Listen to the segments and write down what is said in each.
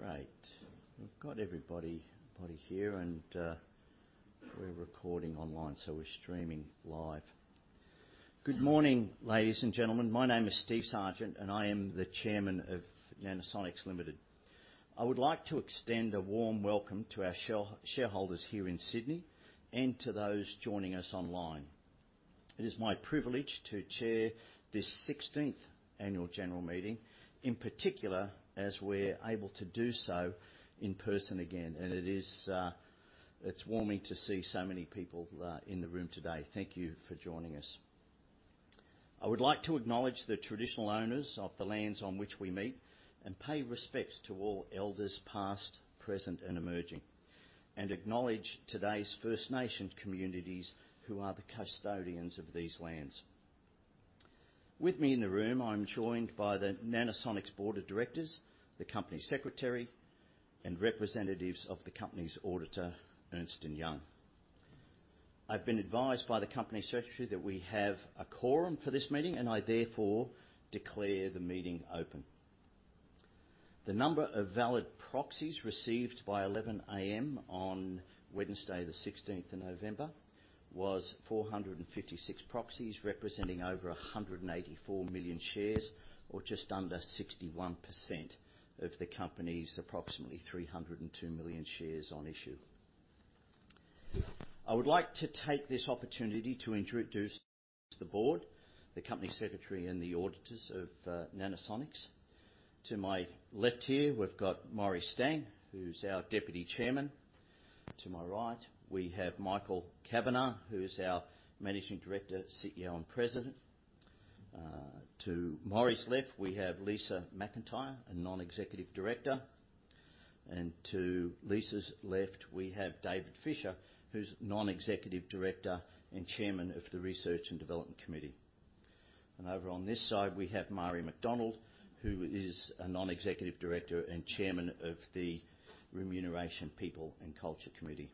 Great. We've got everybody here. We're recording online, so we're streaming live. Good morning, ladies and gentlemen. My name is Steven Sargent, and I am the Chairman of Nanosonics Limited. I would like to extend a warm welcome to our shareholders here in Sydney and to those joining us online. It is my privilege to chair this 16th Annual General Meeting, in particular, as we're able to do so in person again. It's warming to see so many people in the room today. Thank you for joining us. I would like to acknowledge the Traditional Owners of the lands on which we meet and pay respects to all Elders past, present, and emerging, and acknowledge today's First Nations communities who are the custodians of these lands. With me in the room, I'm joined by the Nanosonics Board of Directors, the Company Secretary, and representatives of the company's auditor, Ernst & Young. I've been advised by the Company Secretary that we have a quorum for this meeting, and I therefore declare the meeting open. The number of valid proxies received by 11:00 A.M. on Wednesday the 16th of November was 456 proxies, representing over 184 million shares or just under 61% of the company's approximately 302 million shares on issue. I would like to take this opportunity to introduce the Board, the Company Secretary and the auditors of Nanosonics. To my left here, we've got Maurie Stang, who's our Deputy Chairman. To my right, we have Michael Kavanagh, who is our Managing Director, CEO, and President. To Maurie's left, we have Lisa McIntyre, a Non-Executive Director. To Lisa's left, we have David Fisher, who's Non-Executive Director and Chairman of the Research and Development Committee. Over on this side, we have Marie McDonald, who is a Non-Executive Director and Chairman of the Remuneration, People, and Culture Committee.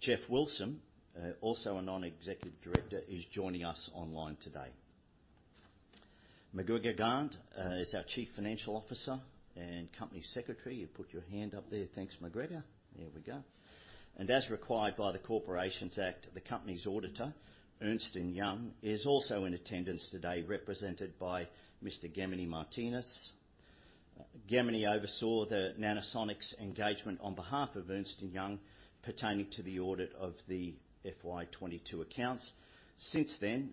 Geoff Wilson, also a Non-Executive Director, is joining us online today. McGregor Grant is our Chief Financial Officer and Company Secretary. You put your hand up there. Thanks, McGregor. There we go. As required by the Corporations Act, the company's auditor, Ernst & Young, is also in attendance today, represented by Mr. Gamini Martinus. Gamini oversaw the Nanosonics engagement on behalf of Ernst & Young pertaining to the audit of the FY 2022 accounts. Since then,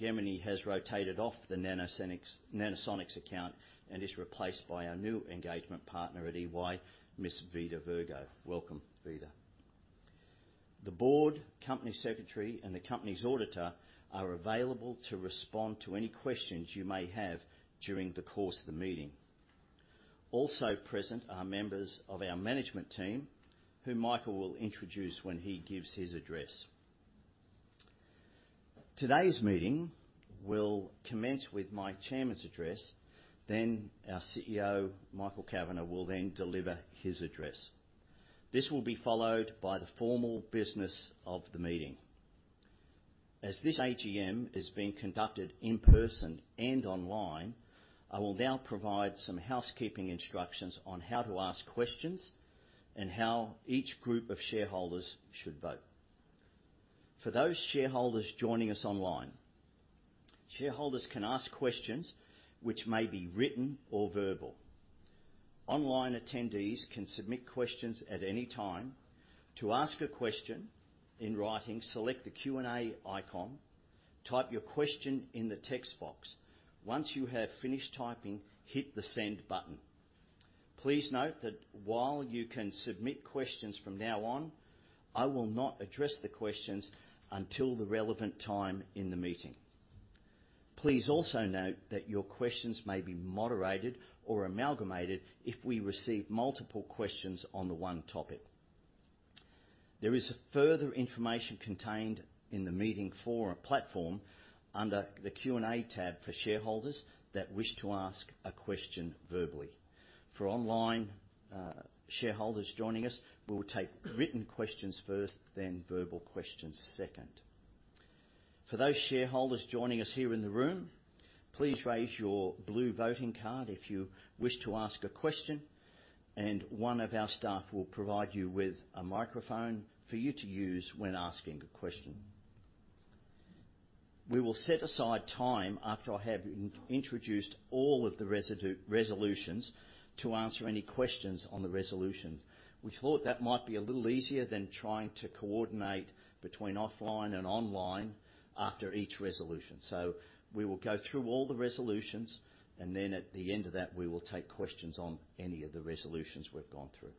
Gamini has rotated off the Nanosonics account and is replaced by our new Engagement Partner at EY, Ms. Vida Virgo. Welcome, Vida. The Board, Company Secretary and the company's Auditor are available to respond to any questions you may have during the course of the meeting. Also present are members of our management team, who Michael will introduce when he gives his address. Today's meeting will commence with my Chairman's Address. Our CEO, Michael Kavanagh, will then deliver his address. This will be followed by the formal business of the meeting. As this AGM is being conducted in person and online, I will now provide some housekeeping instructions on how to ask questions and how each group of shareholders should vote. For those shareholders joining us online, shareholders can ask questions which may be written or verbal. Online attendees can submit questions at any time. To ask a question in writing, select the Q&A icon, type your question in the text box. Once you have finished typing, hit the Send button. Please note that while you can submit questions from now on, I will not address the questions until the relevant time in the meeting. Please also note that your questions may be moderated or amalgamated if we receive multiple questions on the one topic. There is further information contained in the meeting forum platform under the Q&A tab for shareholders that wish to ask a question verbally. For online shareholders joining us, we will take written questions first, then verbal questions second. For those shareholders joining us here in the room, please raise your blue voting card if you wish to ask a question, and one of our staff will provide you with a microphone for you to use when asking a question. We will set aside time after I have introduced all of the resolutions to answer any questions on the resolutions. We thought that might be a little easier than trying to coordinate between offline and online after each resolution. We will go through all the resolutions, and then at the end of that, we will take questions on any of the resolutions we've gone through.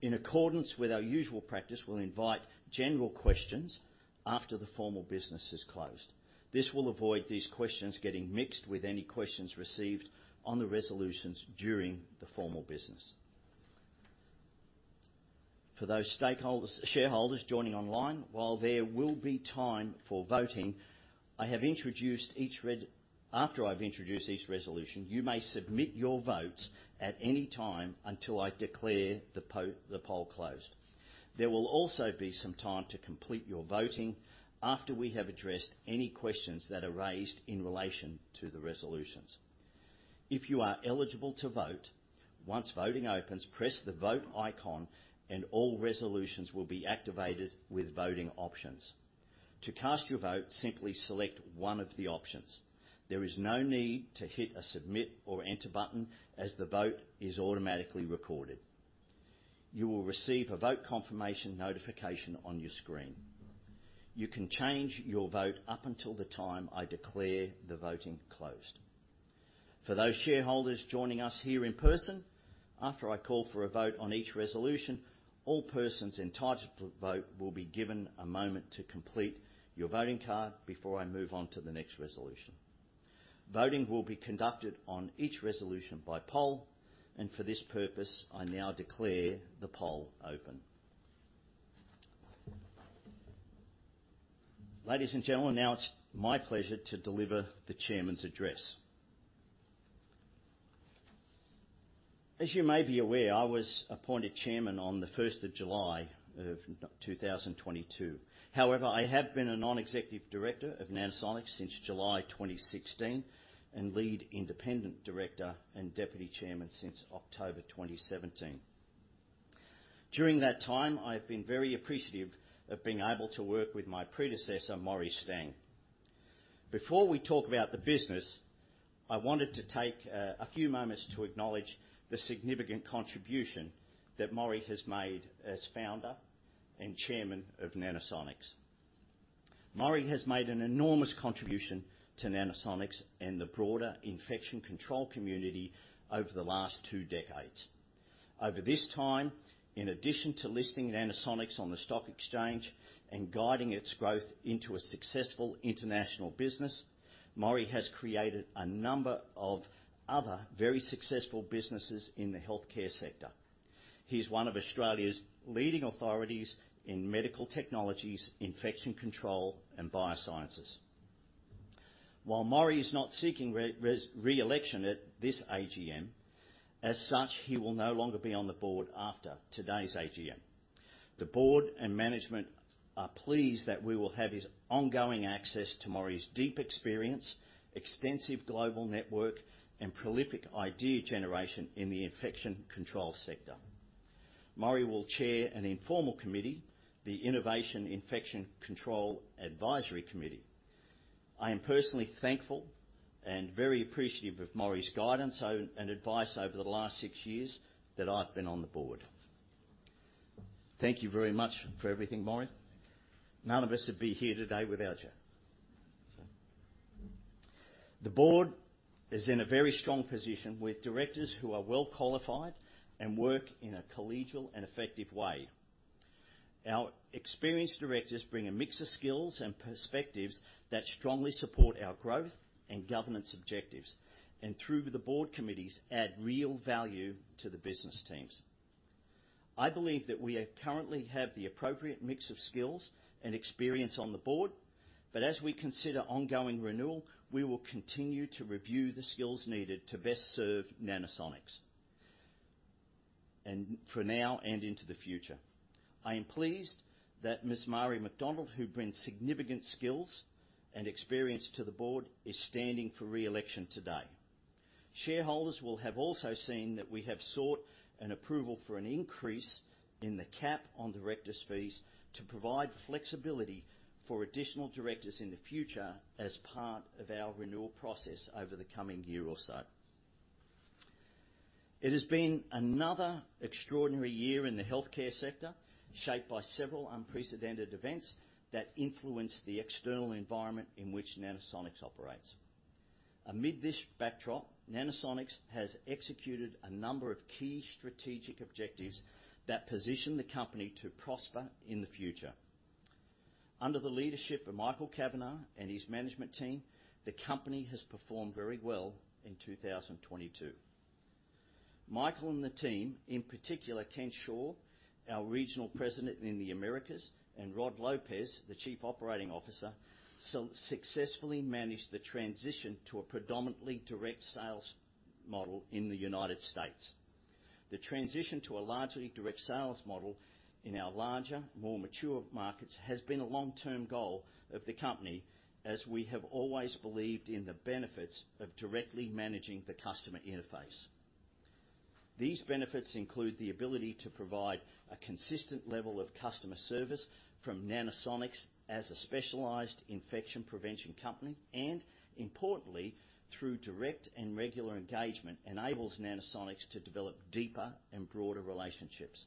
In accordance with our usual practice, we'll invite general questions after the formal business is closed. This will avoid these questions getting mixed with any questions received on the resolutions during the formal business. For those shareholders joining online, while there will be time for voting, after I've introduced each resolution, you may submit your votes at any time until I declare the poll closed. There will also be some time to complete your voting after we have addressed any questions that are raised in relation to the resolutions. If you are eligible to vote, once voting opens, press the Vote icon and all resolutions will be activated with voting options. To cast your vote, simply select one of the options. There is no need to hit a Submit or Enter button as the vote is automatically recorded. You will receive a vote confirmation notification on your screen. You can change your vote up until the time I declare the voting closed. For those shareholders joining us here in person, after I call for a vote on each resolution, all persons entitled to vote will be given a moment to complete your voting card before I move on to the next resolution. Voting will be conducted on each resolution by poll, and for this purpose, I now declare the poll open. Ladies and gentlemen, now it's my pleasure to deliver the Chairman's address. As you may be aware, I was appointed Chairman on the first of July of 2022. However, I have been a Non-Executive Director of Nanosonics since July 2016, and Lead Independent Director and Deputy Chairman since October 2017. During that time, I've been very appreciative of being able to work with my predecessor, Maurie Stang. Before we talk about the business, I wanted to take a few moments to acknowledge the significant contribution that Maurie has made as Founder and Chairman of Nanosonics. Maurie has made an enormous contribution to Nanosonics and the broader infection control community over the last two decades. Over this time, in addition to listing Nanosonics on the stock exchange and guiding its growth into a successful international business, Maurie has created a number of other very successful businesses in the healthcare sector. He's one of Australia's leading authorities in medical technologies, infection control, and biosciences. While Maurie is not seeking reelection at this AGM, as such, he will no longer be on the Board after today's AGM. The Board and management are pleased that we will have his ongoing access to Maurie's deep experience, extensive global network, and prolific idea generation in the infection control sector. Maurie will chair an informal committee, the Innovation Infection Control Advisory Committee. I am personally thankful and very appreciative of Maurie's guidance and advice over the last six years that I've been on the Board. Thank you very much for everything, Maurie. None of us would be here today without you. The board is in a very strong position with directors who are well qualified and work in a collegial and effective way. Our experienced directors bring a mix of skills and perspectives that strongly support our growth and governance objectives, and through the board committees, add real value to the business teams. I believe that we currently have the appropriate mix of skills and experience on the board, but as we consider ongoing renewal, we will continue to review the skills needed to best serve Nanosonics and for now and into the future. I am pleased that Ms. Marie McDonald, who brings significant skills and experience to the board, is standing for re-election today. Shareholders will have also seen that we have sought an approval for an increase in the cap on directors' fees to provide flexibility for additional directors in the future as part of our renewal process over the coming year or so. It has been another extraordinary year in the healthcare sector, shaped by several unprecedented events that influence the external environment in which Nanosonics operates. Amid this backdrop, Nanosonics has executed a number of key strategic objectives that position the company to prosper in the future. Under the leadership of Michael Kavanagh and his management team, the company has performed very well in 2022. Michael and the team, in particular, Ken Shaw, our Regional President in the Americas, and Rod Lopez, the Chief Operating Officer, successfully managed the transition to a predominantly direct sales model in the United States. The transition to a largely direct sales model in our larger, more mature markets has been a long-term goal of the company, as we have always believed in the benefits of directly managing the customer interface. These benefits include the ability to provide a consistent level of customer service from Nanosonics as a specialized infection prevention company, and importantly, through direct and regular engagement, enables Nanosonics to develop deeper and broader relationships.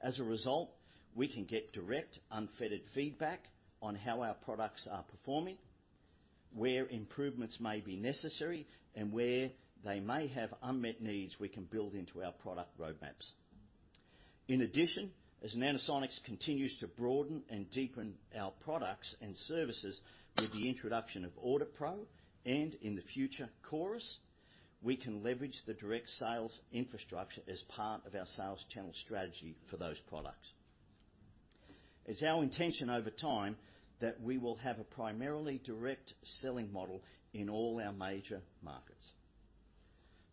As a result, we can get direct, unfettered feedback on how our products are performing, where improvements may be necessary, and where they may have unmet needs we can build into our product roadmaps. In addition, as Nanosonics continues to broaden and deepen our products and services with the introduction of AuditPro and, in the future, CORIS, we can leverage the direct sales infrastructure as part of our sales channel strategy for those products. It's our intention over time that we will have a primarily direct selling model in all our major markets.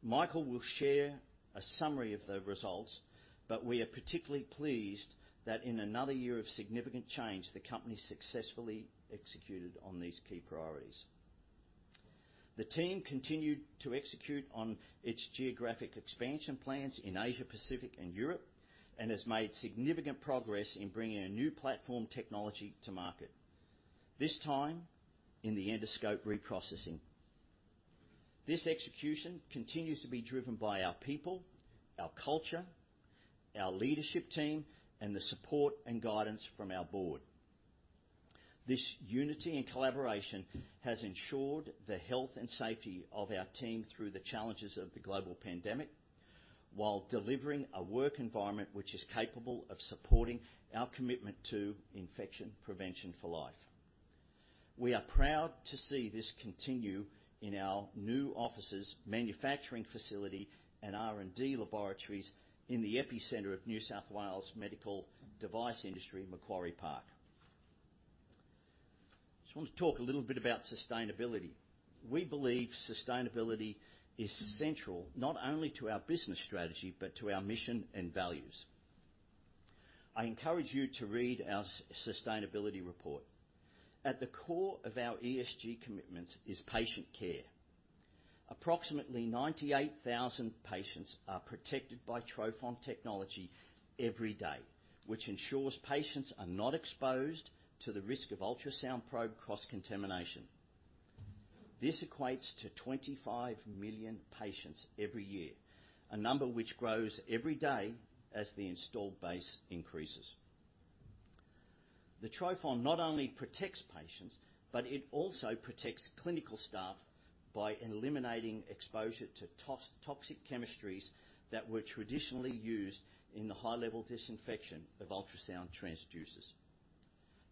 Michael will share a summary of the results, but we are particularly pleased that in another year of significant change, the Company successfully executed on these key priorities. The team continued to execute on its geographic expansion plans in Asia Pacific and Europe, and has made significant progress in bringing a new platform technology to market, this time in the endoscope reprocessing. This execution continues to be driven by our people, our culture, our leadership team, and the support and guidance from our Board. This unity and collaboration has ensured the health and safety of our team through the challenges of the global pandemic, while delivering a work environment which is capable of supporting our commitment to infection prevention for life. We are proud to see this continue in our new offices, manufacturing facility, and R&D laboratories in the epicenter of New South Wales medical device industry in Macquarie Park. Just want to talk a little bit about sustainability. We believe sustainability is central, not only to our business strategy, but to our mission and values. I encourage you to read our sustainability report. At the core of our ESG commitments is patient care. Approximately 98,000 patients are protected by trophon technology every day, which ensures patients are not exposed to the risk of ultrasound probe cross-contamination. This equates to 25 million patients every year, a number which grows every day as the installed base increases. The trophon not only protects patients, but it also protects clinical staff by eliminating exposure to toxic chemistries that were traditionally used in the high-level disinfection of ultrasound transducers.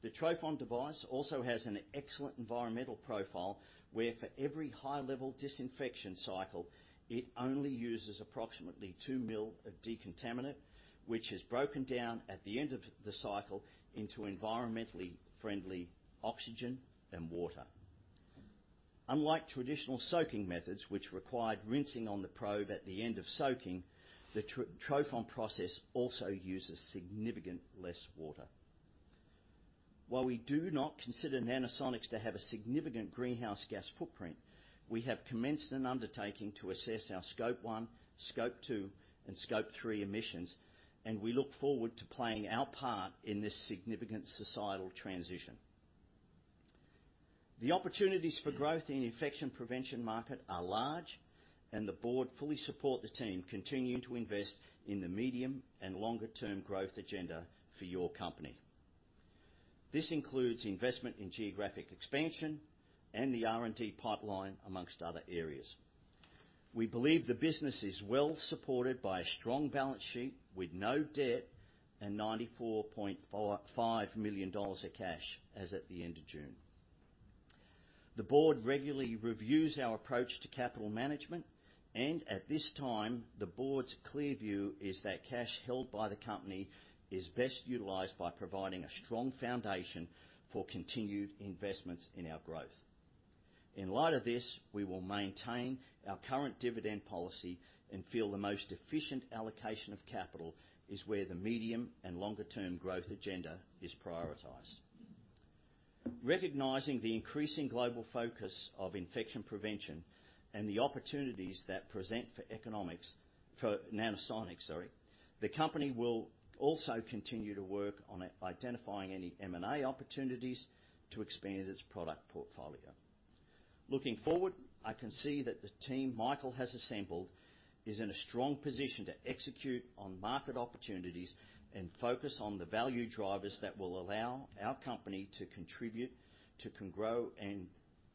The trophon device also has an excellent environmental profile, where for every high-level disinfection cycle, it only uses approximately 2 ml of decontaminant, which is broken down at the end of the cycle into environmentally friendly oxygen and water. Unlike traditional soaking methods, which required rinsing on the probe at the end of soaking, the trophon process also uses significant less water. While we do not consider Nanosonics to have a significant greenhouse gas footprint, we have commenced an undertaking to assess our Scope 1, Scope 2, and Scope 3 emissions, and we look forward to playing our part in this significant societal transition. The opportunities for growth in infection prevention market are large, and the Board fully support the team continuing to invest in the medium and longer term growth agenda for your company. This includes investment in geographic expansion and the R&D pipeline, amongst other areas. We believe the business is well supported by a strong balance sheet with no debt and 94.45 million dollars of cash as at the end of June. The Board regularly reviews our approach to capital management, and at this time, the Board's clear view is that cash held by the company is best utilized by providing a strong foundation for continued investments in our growth. In light of this, we will maintain our current dividend policy and feel the most efficient allocation of capital is where the medium and longer term growth agenda is prioritized. Recognizing the increasing global focus of infection prevention and the opportunities that present for Nanosonics, the company will also continue to work on identifying any M&A opportunities to expand its product portfolio. Looking forward, I can see that the team Michael has assembled is in a strong position to execute on market opportunities and focus on the value drivers that will allow our company to contribute, to grow, and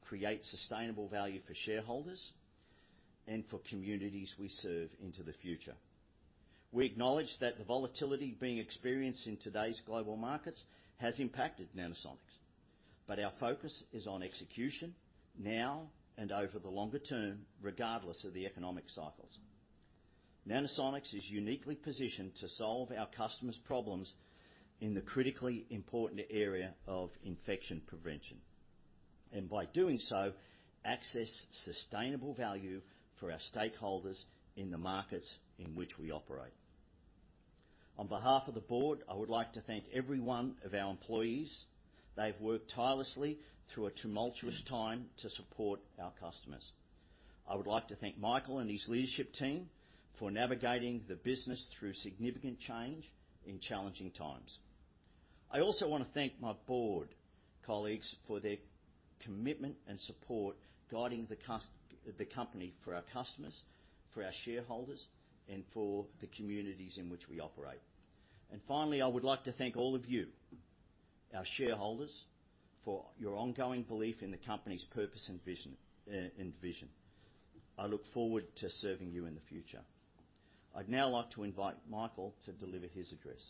create sustainable value for shareholders and for communities we serve into the future. We acknowledge that the volatility being experienced in today's global markets has impacted Nanosonics, but our focus is on execution now and over the longer term, regardless of the economic cycles. Nanosonics is uniquely positioned to solve our customers' problems in the critically important area of infection prevention, and by doing so, access sustainable value for our stakeholders in the markets in which we operate. On behalf of the Board, I would like to thank every one of our employees. They've worked tirelessly through a tumultuous time to support our customers. I would like to thank Michael and his leadership team for navigating the business through significant change in challenging times. I also wanna thank my board colleagues for their commitment and support guiding the company for our customers, for our shareholders, and for the communities in which we operate. Finally, I would like to thank all of you, our shareholders, for your ongoing belief in the company's purpose and vision. I look forward to serving you in the future. I'd now like to invite Michael to deliver his address.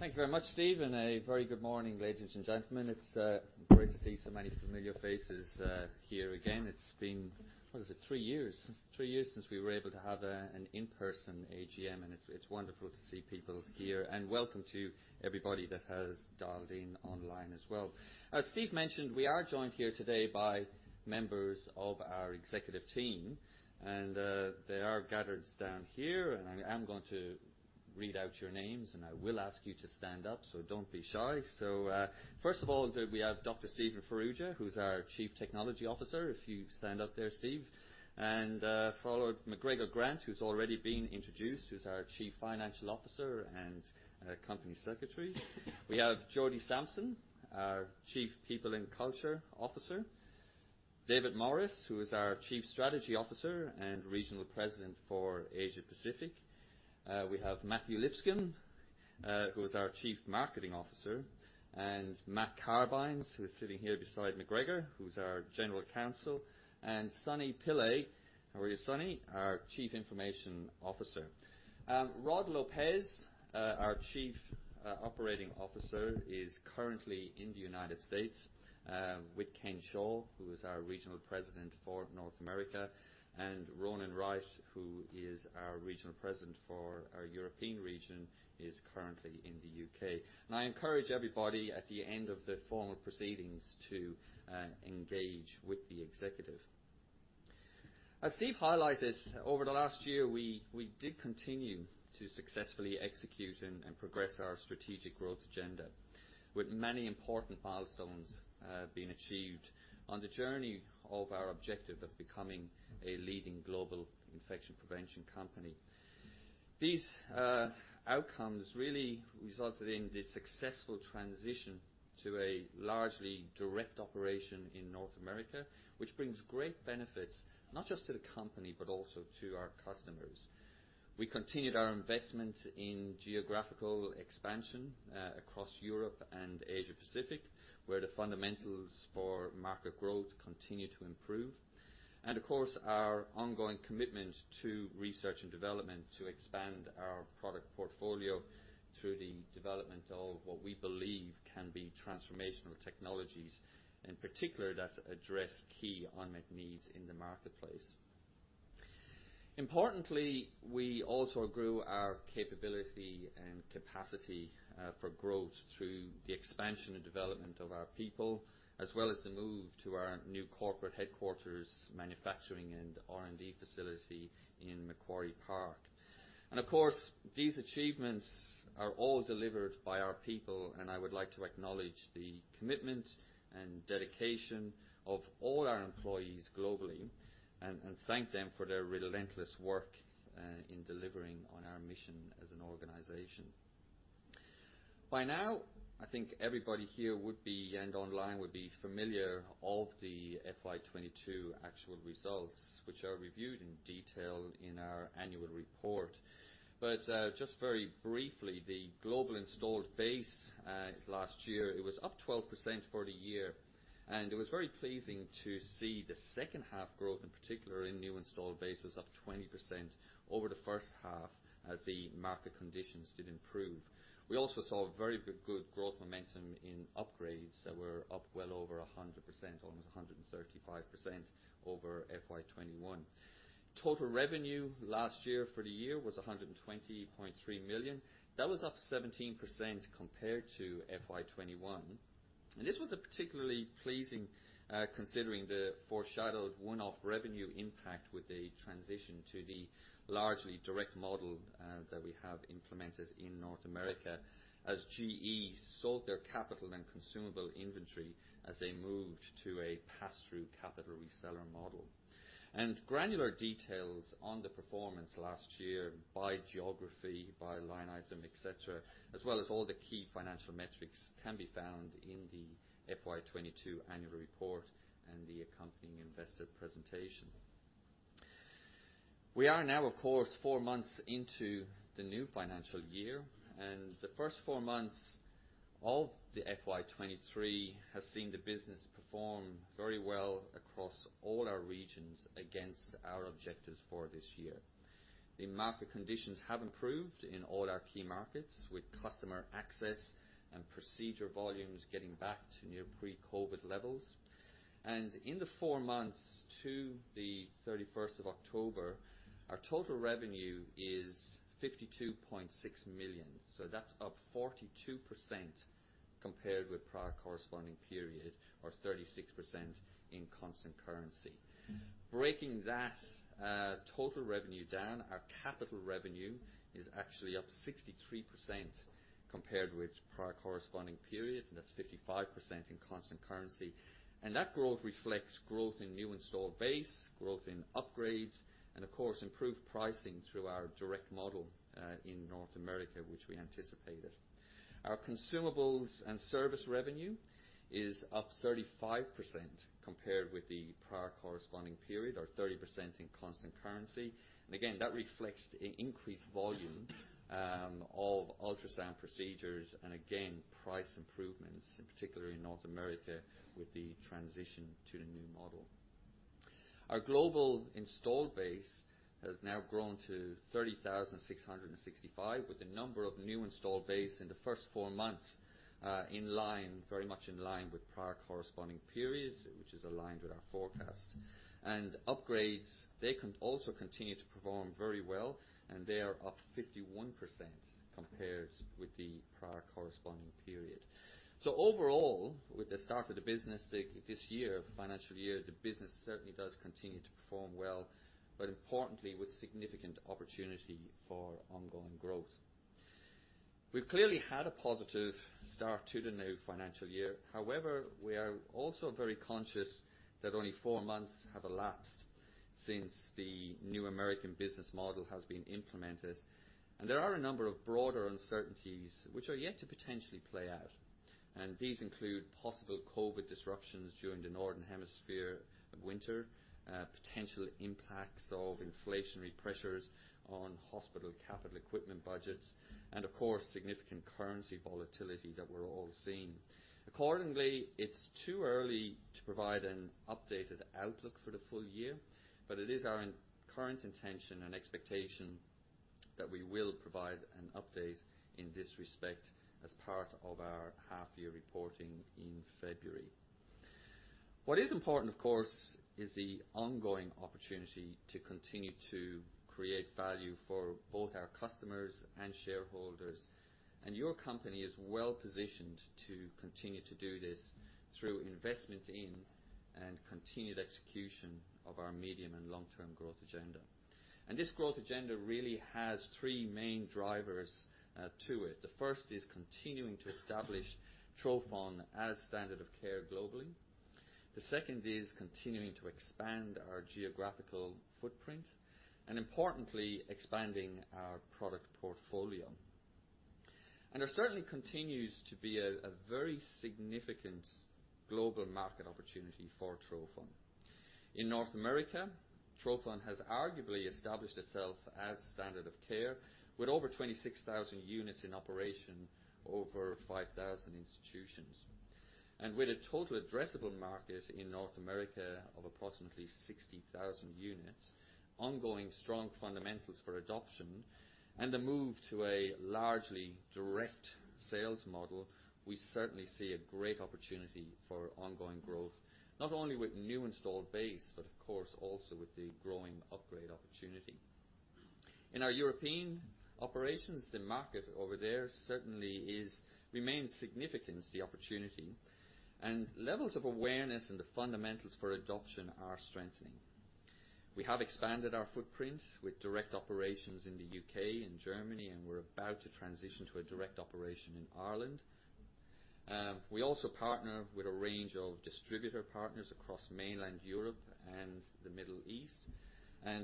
Thank you very much, Steve, and a very good morning, ladies and gentlemen. It's great to see so many familiar faces here again. It's been, what is it? Three years since we were able to have an in-person AGM, and it's wonderful to see people here. Welcome to everybody that has dialed in online as well. As Steve mentioned, we are joined here today by members of our executive team and they are gathered down here. I am going to read out your names, and I will ask you to stand up, so don't be shy. First of all, we have Dr. Steven Farrugia, who's our Chief Technology Officer. If you stand up there, Steve. Followed, McGregor Grant, who's already been introduced, who's our Chief Financial Officer and Company Secretary. We have Jodie Sampson, our Chief People and Culture Officer. David Morris, who is our Chief Strategy Officer and Regional President for Asia Pacific. We have Matthew Lipscombe, who is our Chief Marketing Officer, and Matt Carbines, who is sitting here beside McGregor, who's our General Counsel. Sunny Pillai. How are you, Sunny? Our Chief Information Officer. Rod Lopez, our Chief Operating Officer, is currently in the United States with Ken Shaw, who is our Regional President for North America. Ronan Wright, who is our Regional President for our European region, is currently in the U.K. I encourage everybody at the end of the formal proceedings to engage with the executive. As Steve highlighted, over the last year, we did continue to successfully execute and progress our strategic growth agenda, with many important milestones, uh, being achieved on the journey of our objective of becoming a leading global infection prevention company. These, uh, outcomes really resulted in the successful transition to a largely direct operation in North America, which brings great benefits not just to the company, but also to our customers. We continued our investment in geographical expansion, uh, across Europe and Asia Pacific, where the fundamentals for market growth continue to improve. And of course, our ongoing commitment to research and development to expand our product portfolio through the development of what we believe can be transformational technologies, in particular, that address key unmet needs in the marketplace. Importantly, we also grew our capability and capacity for growth through the expansion and development of our people, as well as the move to our new corporate headquarters, manufacturing and R&D facility in Macquarie Park. Of course, these achievements are all delivered by our people, and I would like to acknowledge the commitment and dedication of all our employees globally and thank them for their relentless work in delivering on our mission as an organization. By now, I think everybody here would be, and online would be familiar of the FY 2022 actual results, which are reviewed in detail in our annual report. Just very briefly, the global installed base last year, it was up 12% for the year. It was very pleasing to see the second half growth, in particular in new installed base, was up 20% over the first half as the market conditions did improve. We also saw very good growth momentum in upgrades that were up well over 100%, almost 135% over FY 2021. Total revenue last year for the year was 120.3 million. That was up 17% compared to FY 2021. This was particularly pleasing considering the foreshadowed one-off revenue impact with the transition to the largely direct model that we have implemented in North America as GE sold their capital and consumable inventory as they moved to a pass-through capital reseller model. And granular details on the performance last year by geography, by line item, et cetera, as well as all the key financial metrics, can be found in the FY 2022 annual report and the accompanying investor presentation. We are now, of course, four months into the new financial year, and the first four months of the FY 2023 has seen the business perform very well across all our regions against our objectives for this year. The market conditions have improved in all our key markets, with customer access and procedure volumes getting back to near pre-COVID levels. And in the four months to the 31st of October, our total revenue is 55.6 million. So that's up 42% compared with prior corresponding period or 36% in constant currency. Breaking that total revenue down, our capital revenue is actually up 63% compared with prior corresponding period, and that's 55% in constant currency. That growth reflects growth in new installed base, growth in upgrades and of course, improved pricing through our direct model in North America, which we anticipated. Our consumables and service revenue is up 35% compared with the prior corresponding period or 30% in constant currency. Again, that reflects increased volume of ultrasound procedures and again, price improvements, particularly in North America with the transition to the new model. Our global installed base has now grown to 30,665, with a number of new installed base in the first four months, in line, very much in line with prior corresponding periods, which is aligned with our forecast. Upgrades, they also continue to perform very well, and they are up 51% compared with the prior corresponding period. Overall, with the start of the business this year, financial year, the business certainly does continue to perform well, but importantly with significant opportunity for ongoing growth. We've clearly had a positive start to the new financial year. However, we are also very conscious that only four months have elapsed since the new American business model has been implemented, and there are a number of broader uncertainties which are yet to potentially play out. These include possible COVID disruptions during the Northern Hemisphere winter, potential impacts of inflationary pressures on hospital capital equipment budgets, and of course, significant currency volatility that we're all seeing. Accordingly, it's too early to provide an updated outlook for the full year, but it is our current intention and expectation that we will provide an update in this respect as part of our half-year reporting in February. What is important, of course, is the ongoing opportunity to continue to create value for both our customers and shareholders, and your company is well positioned to continue to do this through investment in and continued execution of our medium- and long-term growth agenda. This growth agenda really has three main drivers to it. The first is continuing to establish trophon as standard of care globally. The second is continuing to expand our geographical footprint and, importantly, expanding our product portfolio. There certainly continues to be a very significant global market opportunity for trophon. In North America, trophon has arguably established itself as standard of care with over 26,000 units in operation over 5,000 institutions. With a total addressable market in North America of approximately 60,000 units, ongoing strong fundamentals for adoption, and a move to a largely direct sales model, we certainly see a great opportunity for ongoing growth, not only with new installed base, but of course also with the growing upgrade opportunity. In our European operations, the market over there certainly remains significant, the opportunity, and levels of awareness and the fundamentals for adoption are strengthening. We have expanded our footprint with direct operations in the U.K. and Germany, and we're about to transition to a direct operation in Ireland. We also partner with a range of distributor partners across mainland Europe and the Middle East.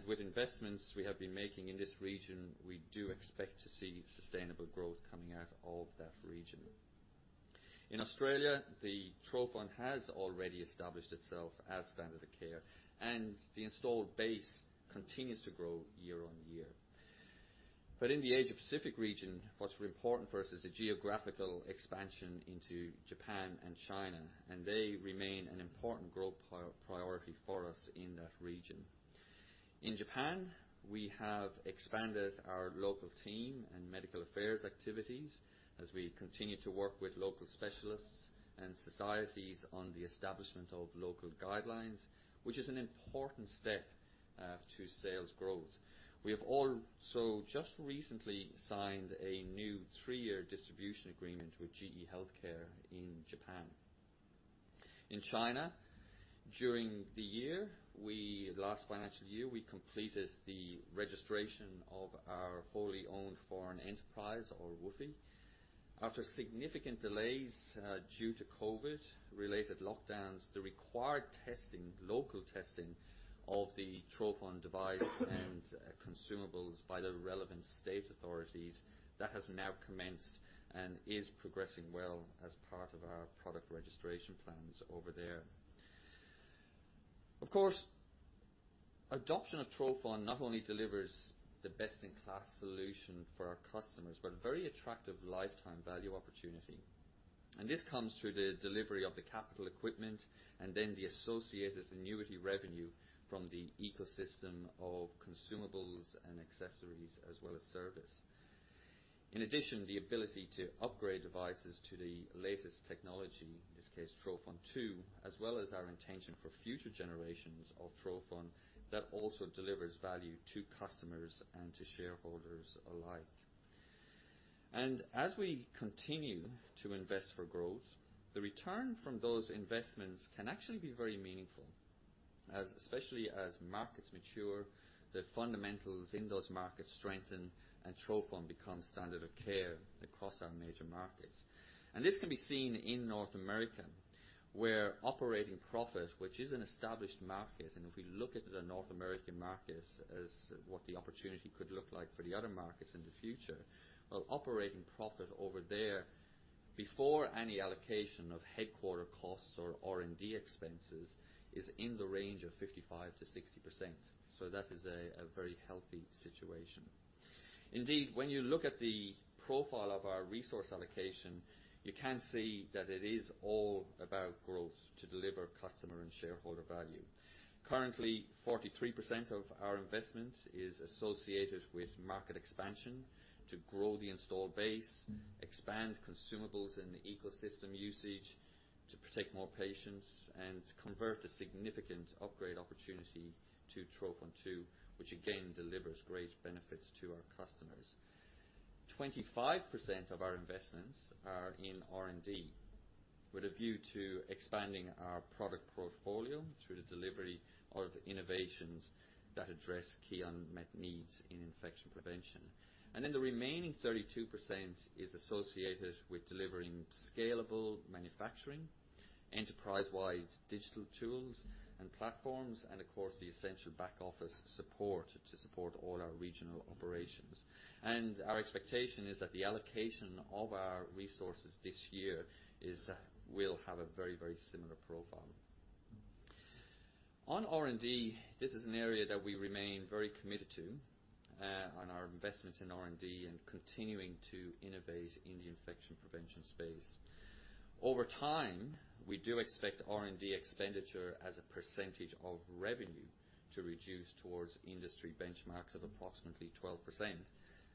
With investments we have been making in this region, we do expect to see sustainable growth coming out of that region. In Australia, the trophon has already established itself as standard of care, and the installed base continues to grow year-on-year. In the Asia Pacific region, what's important for us is the geographical expansion into Japan and China, and they remain an important growth priority for us in that region. In Japan, we have expanded our local team and medical affairs activities as we continue to work with local specialists and societies on the establishment of local guidelines, which is an important step to sales growth. We have also just recently signed a new 3-year distribution agreement with GE HealthCare in Japan. In China, during the last financial year, we completed the registration of our wholly owned foreign enterprise or WOFE. After significant delays due to COVID-related lockdowns, the required local testing of the trophon device and consumables by the relevant state authorities, that has now commenced and is progressing well as part of our product registration plans over there. Of course, adoption of trophon not only delivers the best-in-class solution for our customers, but a very attractive lifetime value opportunity. This comes through the delivery of the capital equipment and then the associated annuity revenue from the ecosystem of consumables and accessories as well as service. In addition, the ability to upgrade devices to the latest technology, in this case, trophon2, as well as our intention for future generations of trophon, that also delivers value to customers and to shareholders alike. As we continue to invest for growth, the return from those investments can actually be very meaningful, especially as markets mature, the fundamentals in those markets strengthen and trophon becomes standard of care across our major markets. This can be seen in North America, where operating profit, which is an established market, and if we look at the North American market as what the opportunity could look like for the other markets in the future, well, operating profit over there before any allocation of headquarter costs or R&D expenses is in the range of 55%-60%. That is a very healthy situation. Indeed, when you look at the profile of our resource allocation, you can see that it is all about growth to deliver customer and shareholder value. Currently, 43% of our investment is associated with market expansion to grow the installed base, expand consumables and the ecosystem usage to protect more patients, and convert a significant upgrade opportunity to trophon2, which again delivers great benefits to our customers. 25% of our investments are in R&D with a view to expanding our product portfolio through the delivery of innovations that address key unmet needs in infection prevention. The remaining 32% is associated with delivering scalable manufacturing, enterprise-wide digital tools and platforms, and of course, the essential back-office support to support all our regional operations. Our expectation is that the allocation of our resources this year is that we'll have a very similar profile. On R&D, this is an area that we remain very committed to on our investment in R&D and continuing to innovate in the infection prevention space. Over time, we do expect R&D expenditure as a percentage of revenue to reduce towards industry benchmarks of approximately 12%,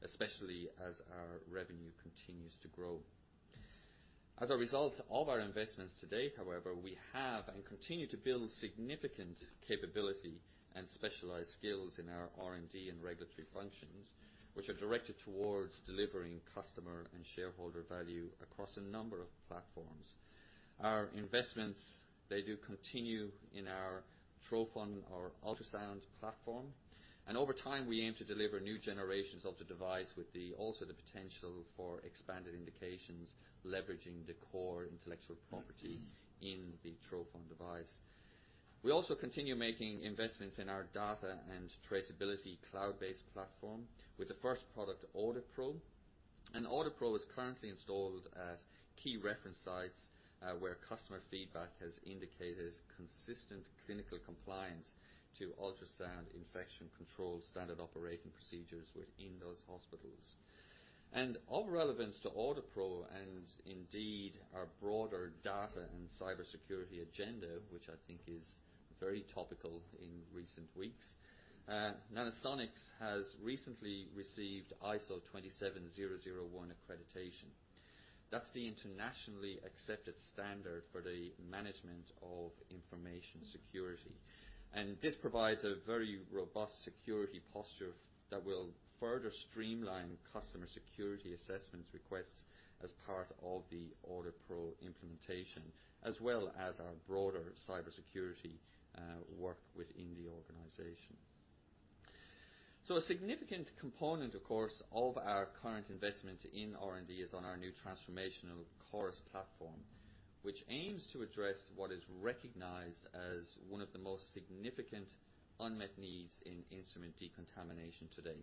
especially as our revenue continues to grow. As a result of our investments to date, however, we have and continue to build significant capability and specialized skills in our R&D and regulatory functions, which are directed towards delivering customer and shareholder value across a number of platforms. Our investments, they do continue in our trophon, our ultrasound platform, and over time, we aim to deliver new generations of the device with also the potential for expanded indications, leveraging the core intellectual property in the trophon device. We also continue making investments in our data and traceability cloud-based platform with the first product, AuditPro. AuditPro is currently installed at key reference sites where customer feedback has indicated consistent clinical compliance to ultrasound infection control standard operating procedures within those hospitals. Of relevance to AuditPro and indeed our broader data and cybersecurity agenda, which I think is very topical in recent weeks, Nanosonics has recently received ISO 27001 accreditation. That's the internationally accepted standard for the management of information security. This provides a very robust security posture that will further streamline customer security assessment requests as part of the AuditPro implementation, as well as our broader cybersecurity work within the organization. A significant component, of course, of our current investment in R&D is on our new transformational CORIS platform, which aims to address what is recognized as one of the most significant unmet needs in instrument decontamination today.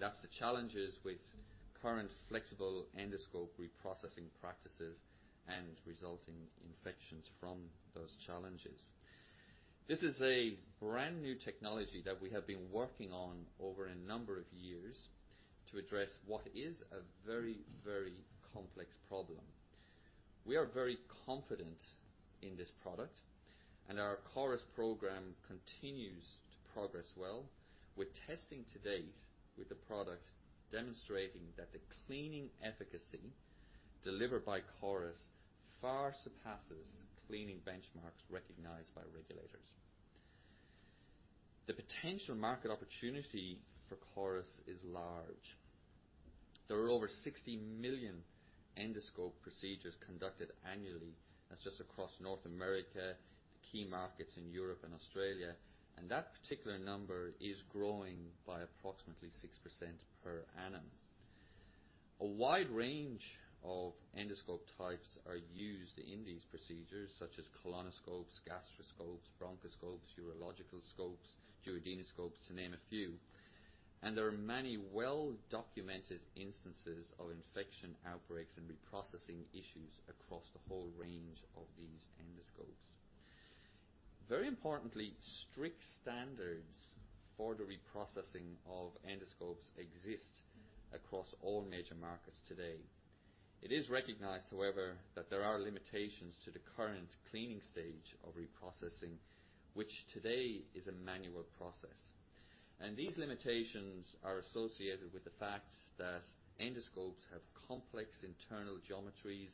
That's the challenges with current flexible endoscope reprocessing practices and resulting infections from those challenges. This is a brand-new technology that we have been working on over a number of years to address what is a very complex problem. We are very confident in this product and our CORIS program continues to progress well. We're testing to date with the product demonstrating that the cleaning efficacy delivered by CORIS far surpasses cleaning benchmarks recognized by regulators. The potential market opportunity for CORIS is large. There are over 60 million endoscope procedures conducted annually. That's just across North America, the key markets in Europe and Australia. That particular number is growing by approximately 6% per annum. A wide range of endoscope types are used in these procedures, such as colonoscopes, gastroscopes, bronchoscopes, urological scopes, duodenoscopes, to name a few. There are many well-documented instances of infection outbreaks and reprocessing issues across the whole range of these endoscopes. Very importantly, strict standards for the reprocessing of endoscopes exist across all major markets today. It is recognized, however, that there are limitations to the current cleaning stage of reprocessing, which today is a manual process. These limitations are associated with the fact that endoscopes have complex internal geometries,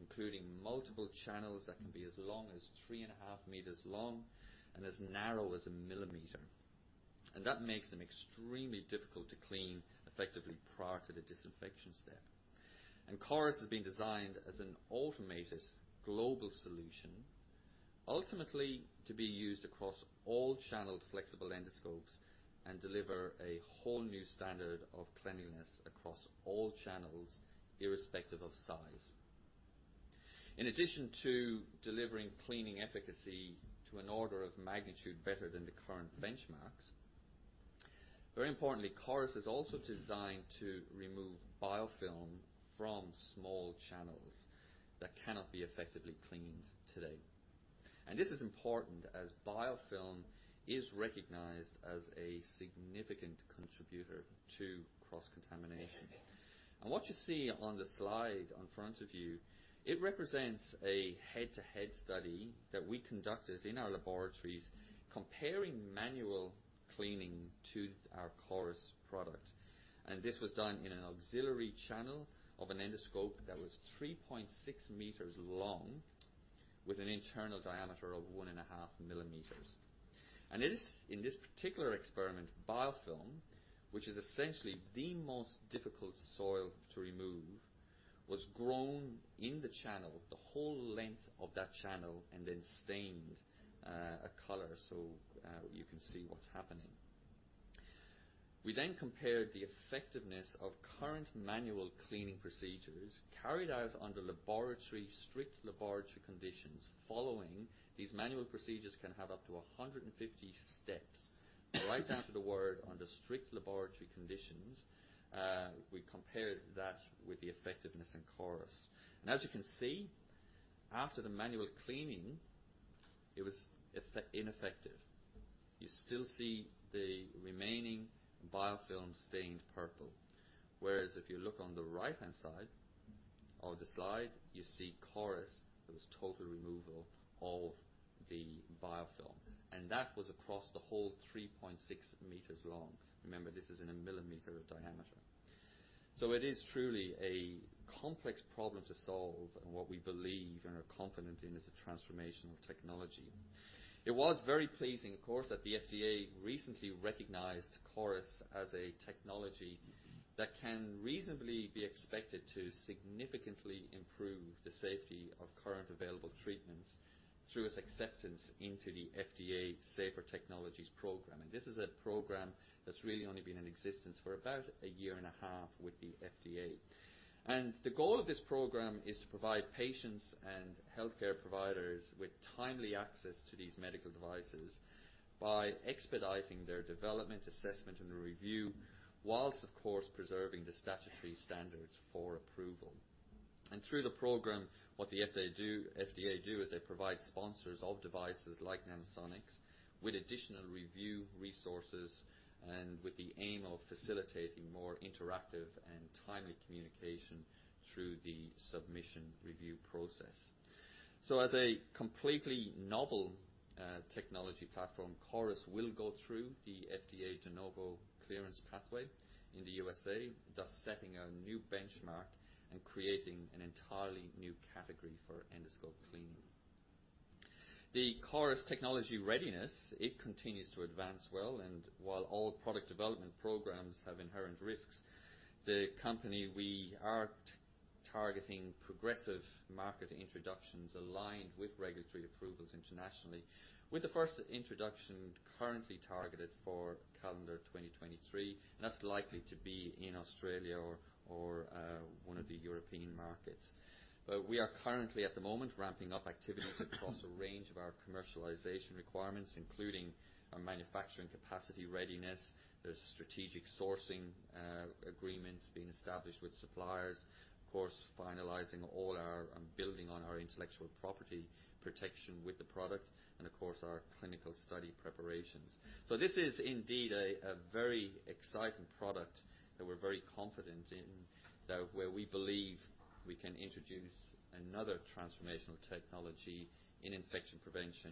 including multiple channels that can be as long as three and a half meters long and as narrow as a millimeter. That makes them extremely difficult to clean effectively prior to the disinfection step. CORIS has been designed as an automated global solution, ultimately to be used across all channeled flexible endoscopes and deliver a whole new standard of cleanliness across all channels, irrespective of size. In addition to delivering cleaning efficacy to an order of magnitude better than the current benchmarks, very importantly, CORIS is also designed to remove biofilm from small channels that cannot be effectively cleaned today. This is important as biofilm is recognized as a significant contributor to cross-contamination. What you see on the slide in front of you, it represents a head-to-head study that we conducted in our laboratories comparing manual cleaning to our CORIS product. This was done in an auxiliary channel of an endoscope that was 3.6 meters long with an internal diameter of one and a half millimeters. It is, in this particular experiment, biofilm, which is essentially the most difficult soil to remove, was grown in the channel, the whole length of that channel, and then stained a color, so you can see what's happening. We then compared the effectiveness of current manual cleaning procedures carried out under strict laboratory conditions. Following these manual procedures can have up to 150 steps. Right down to the word under strict laboratory conditions, we compared that with the effectiveness in CORIS. As you can see, after the manual cleaning, it was ineffective. You still see the remaining biofilm stained purple. Whereas if you look on the right-hand side of the slide, you see CORIS. There was total removal of the biofilm. That was across the whole 3.6 meters long. Remember, this is in a millimeter diameter. It is truly a complex problem to solve, and what we believe and are confident in is the transformation of technology. It was very pleasing, of course, that the FDA recently recognized CORIS as a technology that can reasonably be expected to significantly improve the safety of current available treatments through its acceptance into the FDA Safer Technologies Program. This is a program that's really only been in existence for about a year and a half with the FDA. The goal of this program is to provide patients and healthcare providers with timely access to these medical devices by expediting their development, assessment, and review, whilst, of course, preserving the statutory standards for approval. Through the program, what the FDA do is they provide sponsors of devices like Nanosonics with additional review resources and with the aim of facilitating more interactive and timely communication through the submission review process. As a completely novel technology platform, CORIS will go through the FDA De Novo clearance pathway in the USA, thus setting a new benchmark and creating an entirely new category for endoscope cleaning. The CORIS technology readiness continues to advance well. While all product development programs have inherent risks, we are targeting progressive market introductions aligned with regulatory approvals internationally, with the first introduction currently targeted for calendar 2023. That's likely to be in Australia or one of the European markets. We are currently at the moment ramping up activities across a range of our commercialization requirements, including our manufacturing capacity readiness. There's strategic sourcing agreements being established with suppliers. Of course, building on our intellectual property protection with the product, and of course, our clinical study preparations. This is indeed a very exciting product that we're very confident in. Now, where we believe we can introduce another transformational technology in infection prevention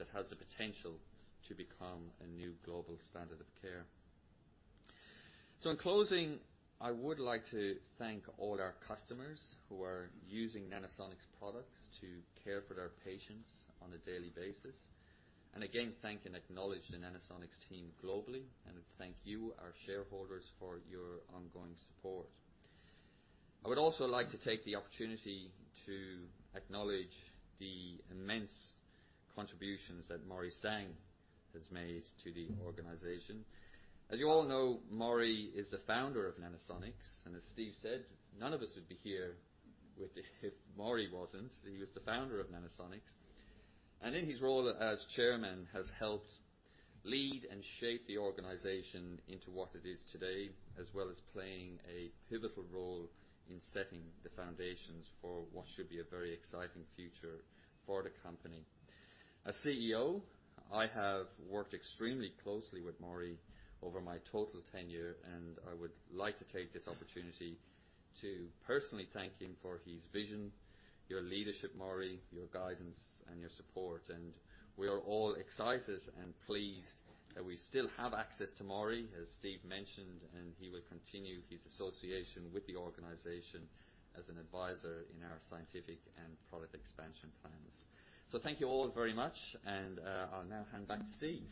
that has the potential to become a new global standard of care. In closing, I would like to thank all our customers who are using Nanosonics products to care for their patients on a daily basis. Again, thank and acknowledge the Nanosonics team globally, and thank you, our shareholders, for your ongoing support. I would also like to take the opportunity to acknowledge the immense contributions that Maurie Stang has made to the organization. As you all know, Maurie is the founder of Nanosonics, and as Steve said, none of us would be here if Maurie wasn't. He was the founder of Nanosonics, and in his role as Chairman, has helped lead and shape the organization into what it is today, as well as playing a pivotal role in setting the foundations for what should be a very exciting future for the company. As CEO, I have worked extremely closely with Maurie over my total tenure, and I would like to take this opportunity to personally thank him for his vision, your leadership, Maurie, your guidance, and your support. We are all excited and pleased that we still have access to Maurie, as Steve mentioned, and he will continue his association with the organization as an advisor in our scientific and product expansion plans. Thank you all very much, and I'll now hand back to Steve.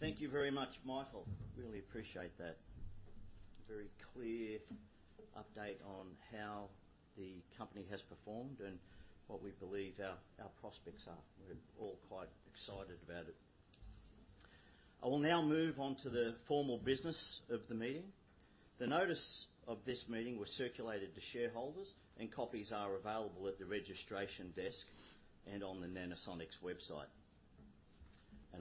Thank you very much, Michael. Really appreciate that. Very clear update on how the company has performed and what we believe our prospects are. We're all quite excited about it. I will now move on to the formal business of the meeting. The notice of this meeting was circulated to shareholders, and copies are available at the registration desk and on the Nanosonics website.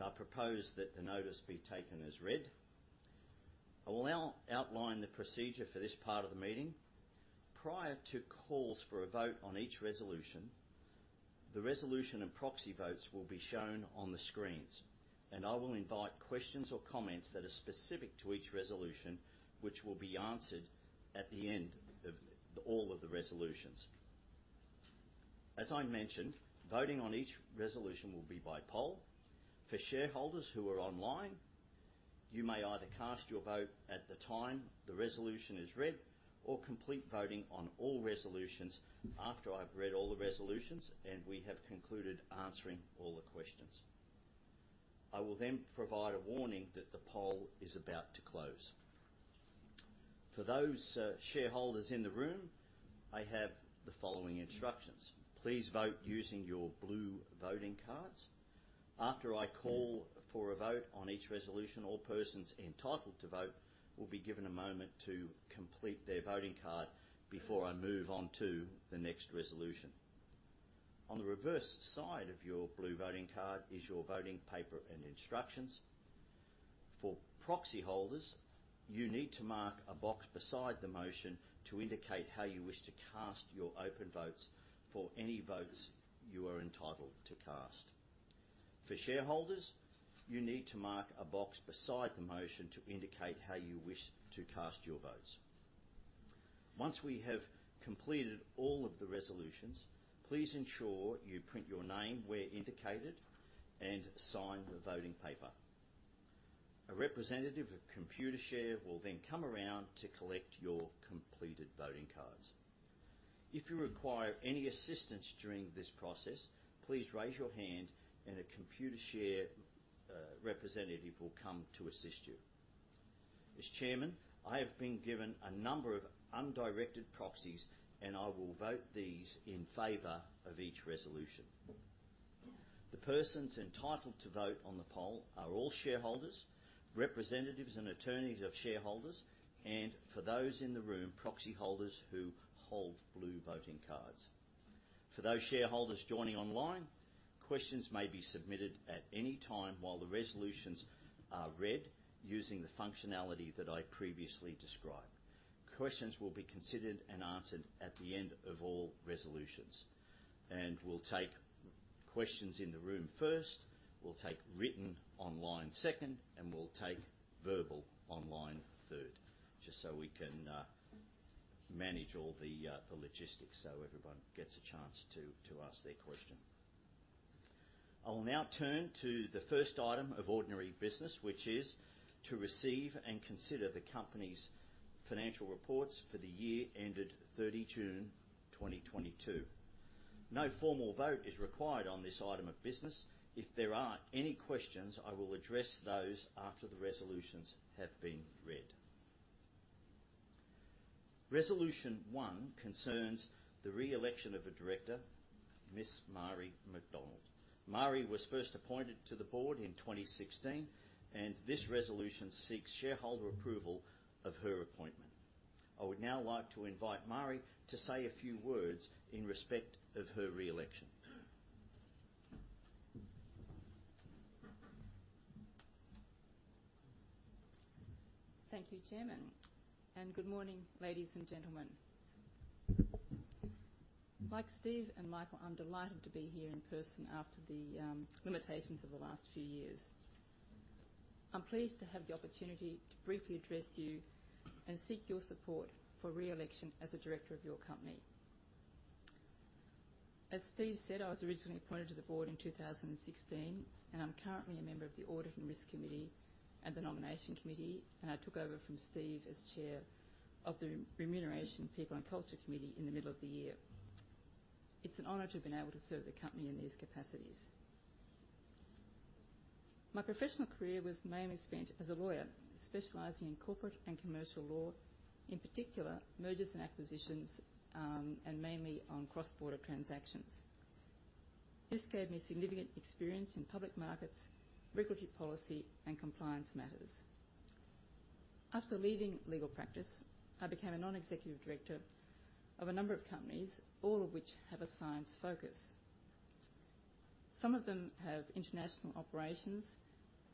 I propose that the notice be taken as read. I will now outline the procedure for this part of the meeting. Prior to calls for a vote on each resolution, the resolution and proxy votes will be shown on the screens. I will invite questions or comments that are specific to each resolution, which will be answered at the end of all of the resolutions. As I mentioned, voting on each resolution will be by poll. For shareholders who are online, you may either cast your vote at the time the resolution is read or complete voting on all resolutions after I've read all the resolutions and we have concluded answering all the questions. I will then provide a warning that the poll is about to close. For those shareholders in the room, I have the following instructions. Please vote using your blue voting cards. After I call for a vote on each resolution, all persons entitled to vote will be given a moment to complete their voting card before I move on to the next resolution. On the reverse side of your blue voting card is your voting paper and instructions. For proxy holders, you need to mark a box beside the motion to indicate how you wish to cast your open votes for any votes you are entitled to cast. For shareholders, you need to mark a box beside the motion to indicate how you wish to cast your votes. Once we have completed all of the resolutions, please ensure you print your name where indicated and sign the voting paper. A representative of Computershare will then come around to collect your completed voting cards. If you require any assistance during this process, please raise your hand and a Computershare representative will come to assist you. As Chairman, I have been given a number of undirected proxies, and I will vote these in favor of each resolution. The persons entitled to vote on the poll are all shareholders, representatives and attorneys of shareholders, and for those in the room, proxy holders who hold blue voting cards. For those shareholders joining online, questions may be submitted at any time while the resolutions are read using the functionality that I previously described. Questions will be considered and answered at the end of all resolutions. We'll take questions in the room first, we'll take written online second, and we'll take verbal online third. Just so we can manage all the logistics, so everyone gets a chance to ask their question. I will now turn to the first item of ordinary business, which is to receive and consider the company's financial reports for the year ended 30 June 2022. No formal vote is required on this item of business. If there are any questions, I will address those after the resolutions have been read. Resolution one concerns the reelection of a director, Ms. Marie McDonald. Marie was first appointed to the board in 2016. This resolution seeks shareholder approval of her appointment. I would now like to invite Marie to say a few words in respect of her reelection. Thank you, Chairman. Good morning, ladies and gentlemen. Like Steve and Michael, I'm delighted to be here in person after the limitations of the last few years. I'm pleased to have the opportunity to briefly address you and seek your support for reelection as a director of your company. As Steve said, I was originally appointed to the board in 2016, and I'm currently a member of the Audit and Risk Committee and the Nomination Committee. I took over from Steve as Chair of the Remuneration, People and Culture Committee in the middle of the year. It's an honor to have been able to serve the company in these capacities. My professional career was mainly spent as a lawyer, specializing in corporate and commercial law, in particular mergers and acquisitions, and mainly on cross-border transactions. This gave me significant experience in public markets, regulatory policy, and compliance matters. After leaving legal practice, I became a non-executive director of a number of companies, all of which have a science focus. Some of them have international operations,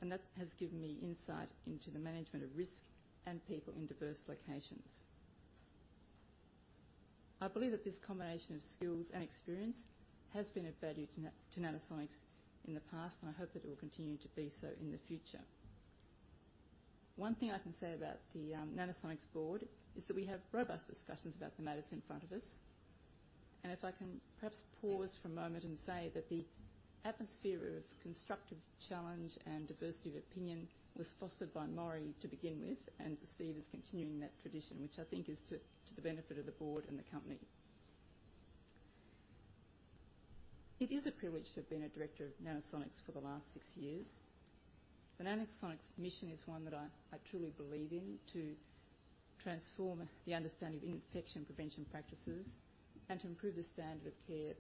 and that has given me insight into the management of risk and people in diverse locations. I believe that this combination of skills and experience has been of value to Nanosonics in the past, and I hope that it will continue to be so in the future. One thing I can say about the Nanosonics Board is that we have robust discussions about the matters in front of us. If I can perhaps pause for a moment and say that the atmosphere of constructive challenge and diversity of opinion was fostered by Maurie to begin with, and Steve is continuing that tradition, which I think is to the benefit of the board and the company. It is a privilege to have been a Director of Nanosonics for the last six years. The Nanosonics mission is one that I truly believe in, to transform the understanding of infection prevention practices and to improve the standard of care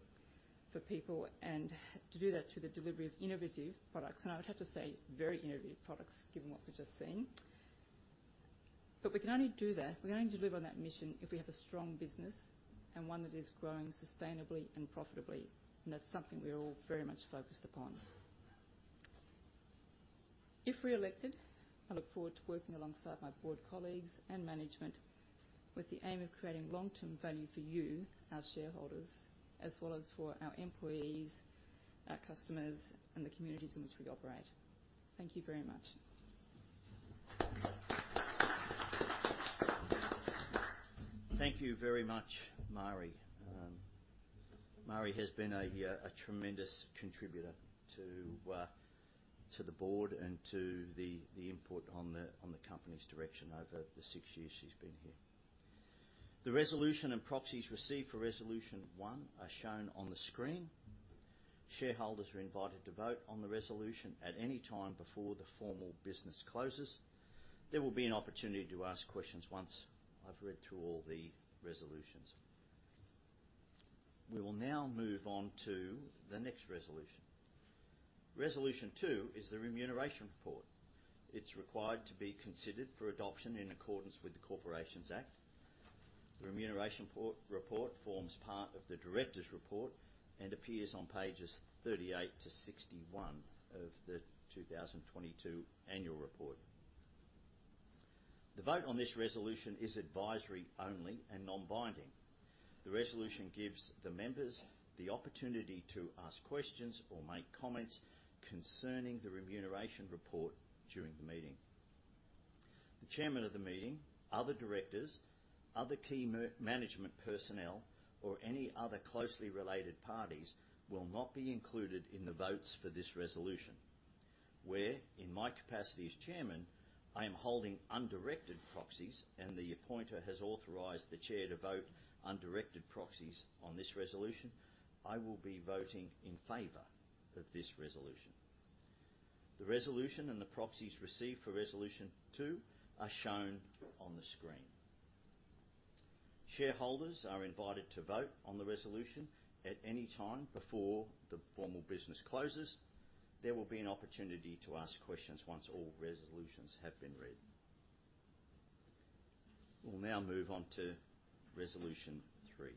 for people and to do that through the delivery of innovative products, and I would have to say very innovative products, given what we've just seen. We can only deliver on that mission if we have a strong business and one that is growing sustainably and profitably, and that's something we're all very much focused upon. If reelected, I look forward to working alongside my board colleagues and management with the aim of creating long-term value for you, our shareholders, as well as for our employees, our customers, and the communities in which we operate. Thank you very much. Thank you very much, Marie. Marie has been a tremendous contributor to the board and to the input on the company's direction over the six years she's been here. The resolution and proxies received for Resolution one are shown on the screen. Shareholders are invited to vote on the resolution at any time before the formal business closes. There will be an opportunity to ask questions once I've read through all the resolutions. We will now move on to the next resolution. Resolution two is the remuneration report. It's required to be considered for adoption in accordance with the Corporations Act. The remuneration report forms part of the directors' report and appears on pages 38-61 of the 2022 annual report. The vote on this resolution is advisory only and non-binding. The resolution gives the members the opportunity to ask questions or make comments concerning the remuneration report during the meeting. The Chairman of the meeting, other directors, other key management personnel, or any other closely related parties will not be included in the votes for this resolution. Where, in my capacity as Chairman, I am holding undirected proxies and the appointer has authorized the Chair to vote undirected proxies on this resolution, I will be voting in favor of this resolution. The resolution and the proxies received for resolution two are shown on the screen. Shareholders are invited to vote on the resolution at any time before the formal business closes. There will be an opportunity to ask questions once all resolutions have been read. We'll now move on to resolution three.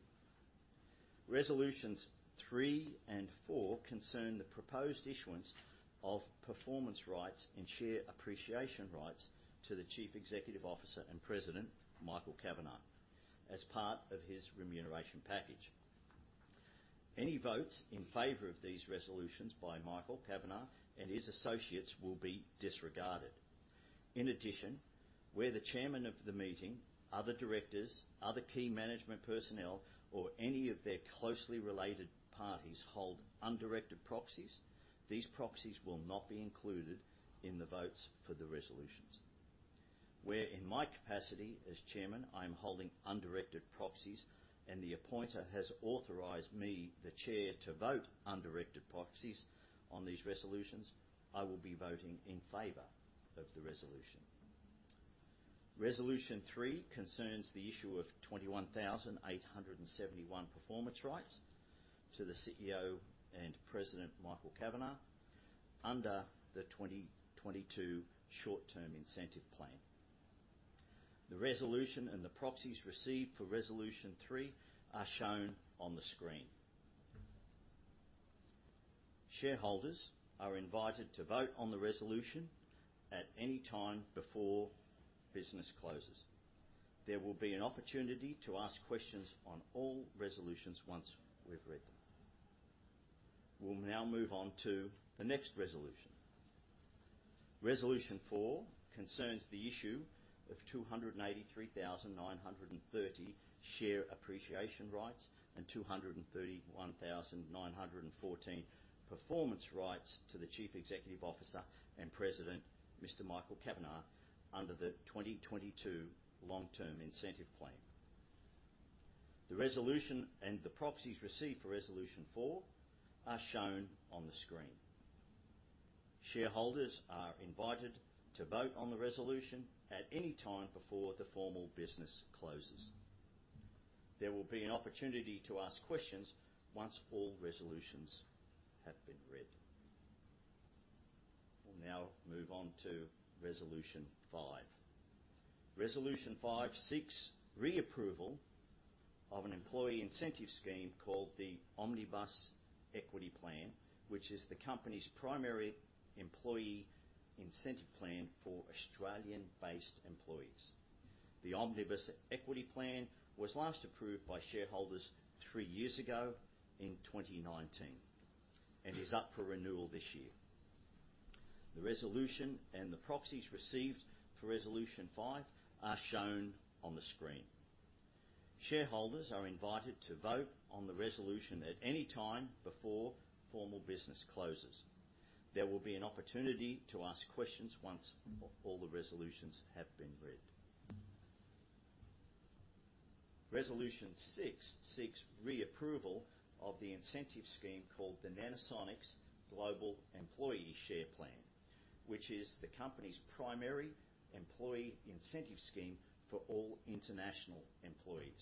Resolutions three and four concern the proposed issuance of performance rights and share appreciation rights to the Chief Executive Officer and President, Michael Kavanagh, as part of his remuneration package. Any votes in favor of these resolutions by Michael Kavanagh and his associates will be disregarded. In addition, where the Chairman of the meeting, other directors, other key management personnel, or any of their closely related parties hold undirected proxies, these proxies will not be included in the votes for the resolutions. Where, in my capacity as Chairman, I am holding undirected proxies and the appointer has authorized me, the Chair, to vote undirected proxies on these resolutions, I will be voting in favor of the resolution. Resolution three concerns the issue of 21,871 performance rights to the CEO and President, Michael Kavanagh, under the 2022 short-term incentive plan. The resolution and the proxies received for resolution three are shown on the screen. Shareholders are invited to vote on the resolution at any time before business closes. There will be an opportunity to ask questions on all resolutions once we've read them. We'll now move on to the next resolution. Resolution four concerns the issue of two hundred and eighty-three thousand nine hundred and thirty share appreciation rights and two hundred and thirty-one thousand nine hundred and fourteen performance rights to the Chief Executive Officer and President, Mr. Michael Kavanagh, under the twenty twenty-two long-term incentive plan. The resolution and the proxies received for resolution four are shown on the screen. Shareholders are invited to vote on the resolution at any time before the formal business closes. There will be an opportunity to ask questions once all resolutions have been read. We'll now move on to resolution five. Resolution 5 seeks reapproval of an employee incentive scheme called the Omnibus Equity Plan, which is the company's primary employee incentive plan for Australian-based employees. The Omnibus Equity Plan was last approved by shareholders three years ago in 2019 and is up for renewal this year. The resolution and the proxies received for Resolution 5 are shown on the screen. Shareholders are invited to vote on the resolution at any time before formal business closes. There will be an opportunity to ask questions once all the resolutions have been read. Resolution 6 seeks reapproval of the incentive scheme called the Nanosonics Global Employee Share Plan, which is the company's primary employee incentive scheme for all international employees.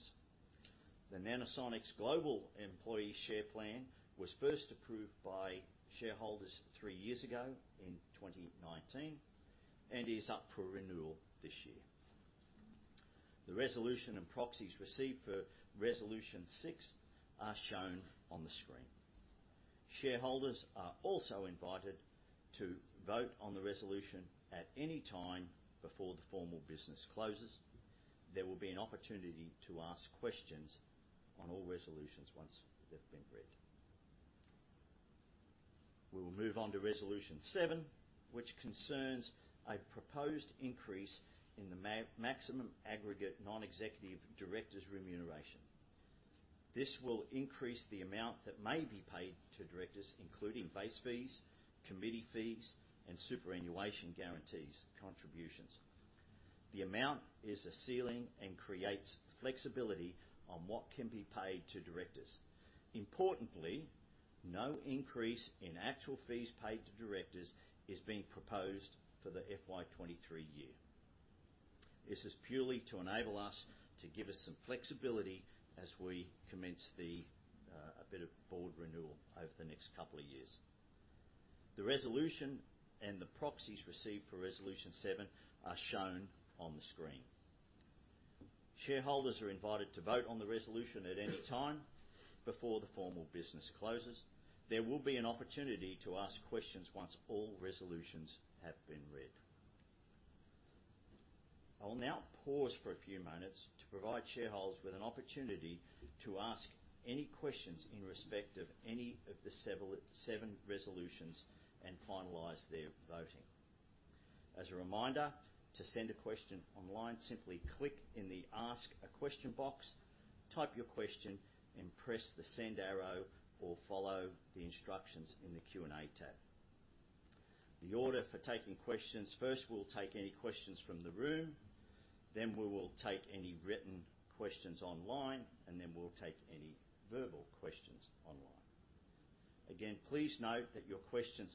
The Nanosonics Global Employee Share Plan was first approved by shareholders three years ago in 2019 and is up for renewal this year. The resolution and proxies received for Resolution 6 are shown on the screen. Shareholders are also invited to vote on the resolution at any time before the formal business closes. There will be an opportunity to ask questions on all resolutions once they've been read. We will move on to Resolution 7, which concerns a proposed increase in the maximum aggregate non-executive directors' remuneration. This will increase the amount that may be paid to directors, including base fees, committee fees, and superannuation guarantee contributions. The amount is a ceiling and creates flexibility on what can be paid to directors. Importantly, no increase in actual fees paid to directors is being proposed for the FY2023 year. This is purely to enable us to give us some flexibility as we commence a bit of board renewal over the next couple of years. The resolution and the proxies received for resolution seven are shown on the screen. Shareholders are invited to vote on the resolution at any time before the formal business closes. There will be an opportunity to ask questions once all resolutions have been read. I will now pause for a few minutes to provide shareholders with an opportunity to ask any questions in respect of any of the seven resolutions and finalize their voting. As a reminder, to send a question online, simply click in the Ask a Question box, type your question, and press the send arrow, or follow the instructions in the Q&A tab. The order for taking questions, first, we'll take any questions from the room, then we will take any written questions online, and then we'll take any verbal questions online. Again, please note that your questions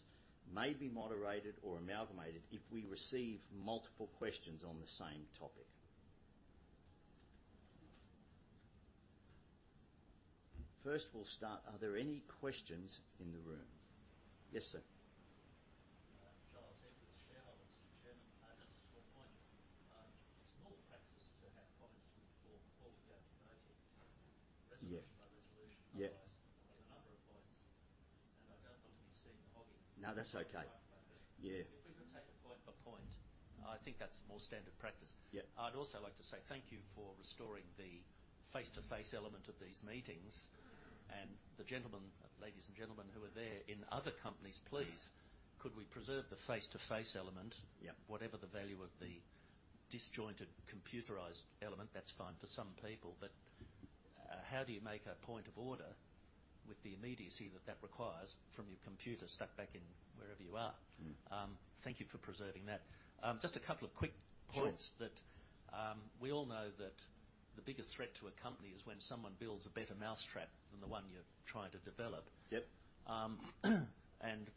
may be moderated or amalgamated if we receive multiple questions on the same topic. First, we'll start. Are there any questions in the room? Yes, sir. Charles Edwards, Shareholder since the German patent at some point. It's normal practice to have comments before we go to voting. Yeah. Resolution by resolution. Yeah. Otherwise, on a number of points. I don't want to be seen hogging. No, that's okay. If we could take it point for point, I think that's more standard practice. Yeah. I'd also like to say thank you for restoring the face-to-face element of these meetings. Ladies and gentlemen who are there in other companies, please, could we preserve the face-to-face element? Yeah. Whatever the value of the disjointed computerized element, that's fine for some people. How do you make a point of order with the immediacy that requires from your computer stuck back in wherever you are? Mm. Thank you for preserving that. Just a couple of quick points. Sure. We all know that the biggest threat to a company is when someone builds a better mousetrap than the one you're trying to develop. Yep.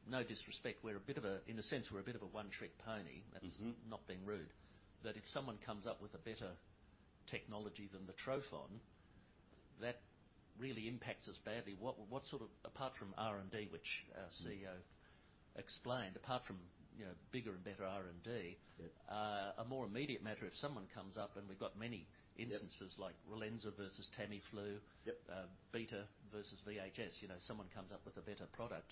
No disrespect, in a sense, we're a bit of a one-trick pony. Mm-hmm. That's not being rude. If someone comes up with a better technology than the trophon, that really impacts us badly. What sort of, apart from R&D, which our CEO explained, you know, bigger and better R&D? Yeah. A more immediate matter, if someone comes up, and we've got many instances. Yeah. Like Relenza versus Tamiflu. Yep. Beta versus VHS. You know, someone comes up with a better product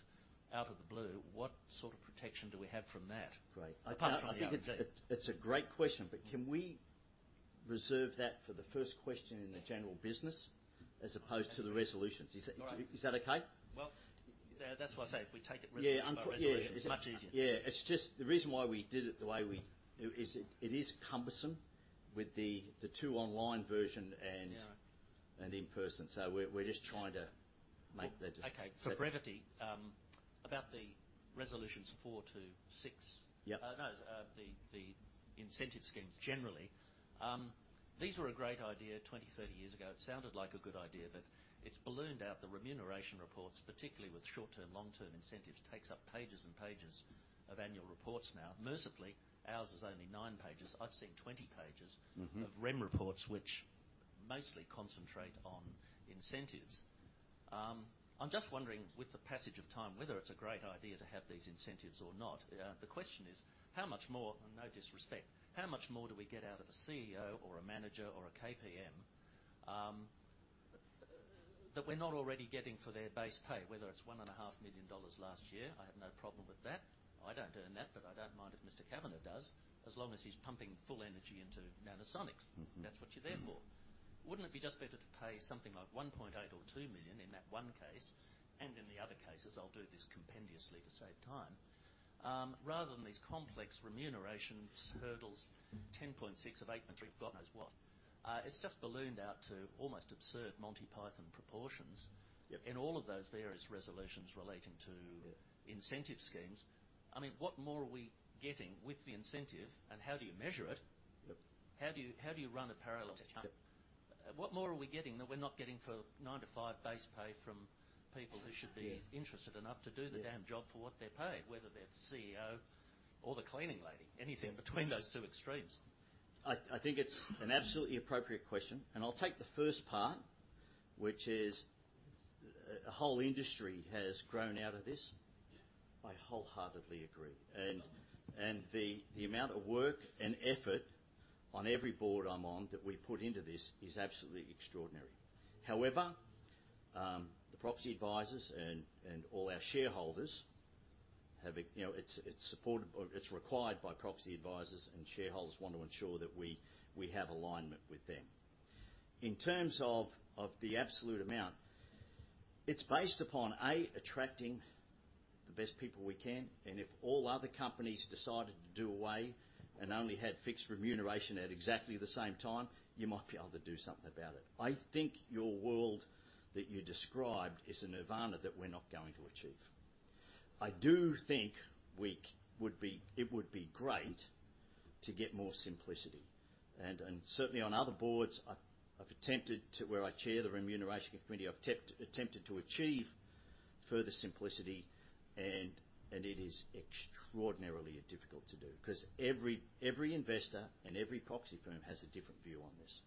out of the blue. What sort of protection do we have from that? Great. Apart from R&D. I think it's a great question. Can we reserve that for the first question in the general business as opposed to the resolutions? All right. Is that okay? Well, that's why I say if we take it resolution by resolution. Yeah. It's much easier. Yeah. It's just the reason why we did it the way we do is it is cumbersome with the two online version. Yeah. In person. We're just trying to make that just. Okay. For brevity, about the resolutions four to six. Yeah. No. The incentive schemes generally. These were a great idea 20-30 years ago. It sounded like a good idea, but it's ballooned out. The remuneration reports, particularly with short-term, long-term incentives, takes up pages and pages of annual reports now. Mercifully, ours is only nine pages. I've seen 20 pages. Mm-hmm. Of rem reports, which mostly concentrate on incentives. I'm just wondering, with the passage of time, whether it's a great idea to have these incentives or not. The question is, how much more, and no disrespect, do we get out of a CEO or a manager or a KPM that we're not already getting for their base pay? Whether it's one and a half million dollars last year, I have no problem with that. I don't earn that, but I don't mind if Mr. Kavanagh does, as long as he's pumping full energy into Nanosonics. Mm-hmm. That's what you're there for. Wouldn't it be just better to pay something like 1.8 million or 2 million in that one case, and in the other cases, I'll do this compendiously to save time, rather than these complex remuneration hurdles, 10.6 of 8 and 3, God knows what? It's just ballooned out to almost absurd Monty Python proportions. Yeah. In all of those various resolutions relating to. Yeah. Incentive schemes. I mean, what more are we getting with the incentive, and how do you measure it? Yep. How do you run a parallel to? Yeah. What more are we getting that we're not getting for 9:00-5:00 base pay from people who should be? Yeah Interested enough to do the damn job for what they're paid, whether they're the CEO or the cleaning lady, anything between those two extremes. I think it's an absolutely appropriate question, and I'll take the first part, which is a whole industry has grown out of this. Yeah. I wholeheartedly agree. The amount of work and effort on every board I'm on that we put into this is absolutely extraordinary. However, you know, it's supported or it's required by proxy advisors, and shareholders want to ensure that we have alignment with them. In terms of the absolute amount, it's based upon A, attracting the best people we can. If all other companies decided to do away and only had fixed remuneration at exactly the same time, you might be able to do something about it. I think your world that you described is a nirvana that we're not going to achieve. I do think it would be great to get more simplicity. Certainly on other boards, I've attempted to. Where I chair the Remuneration Committee, I've attempted to achieve further simplicity, and it is extraordinarily difficult to do, 'cause every investor and every proxy firm has a different view on this.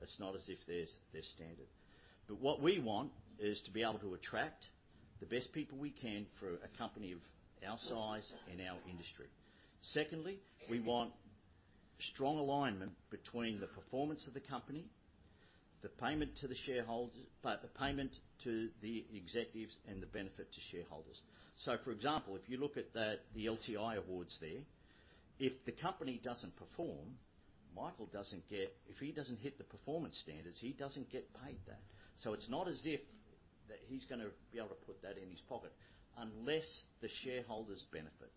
It's not as if there's standard. What we want is to be able to attract the best people we can for a company of our size and our industry. Secondly, we want strong alignment between the performance of the company, the payment to the executives, and the benefit to shareholders. For example, if you look at the LTI awards there, if the company doesn't perform, if he doesn't hit the performance standards, he doesn't get paid that. It's not as if that he's gonna be able to put that in his pocket unless the shareholders benefit.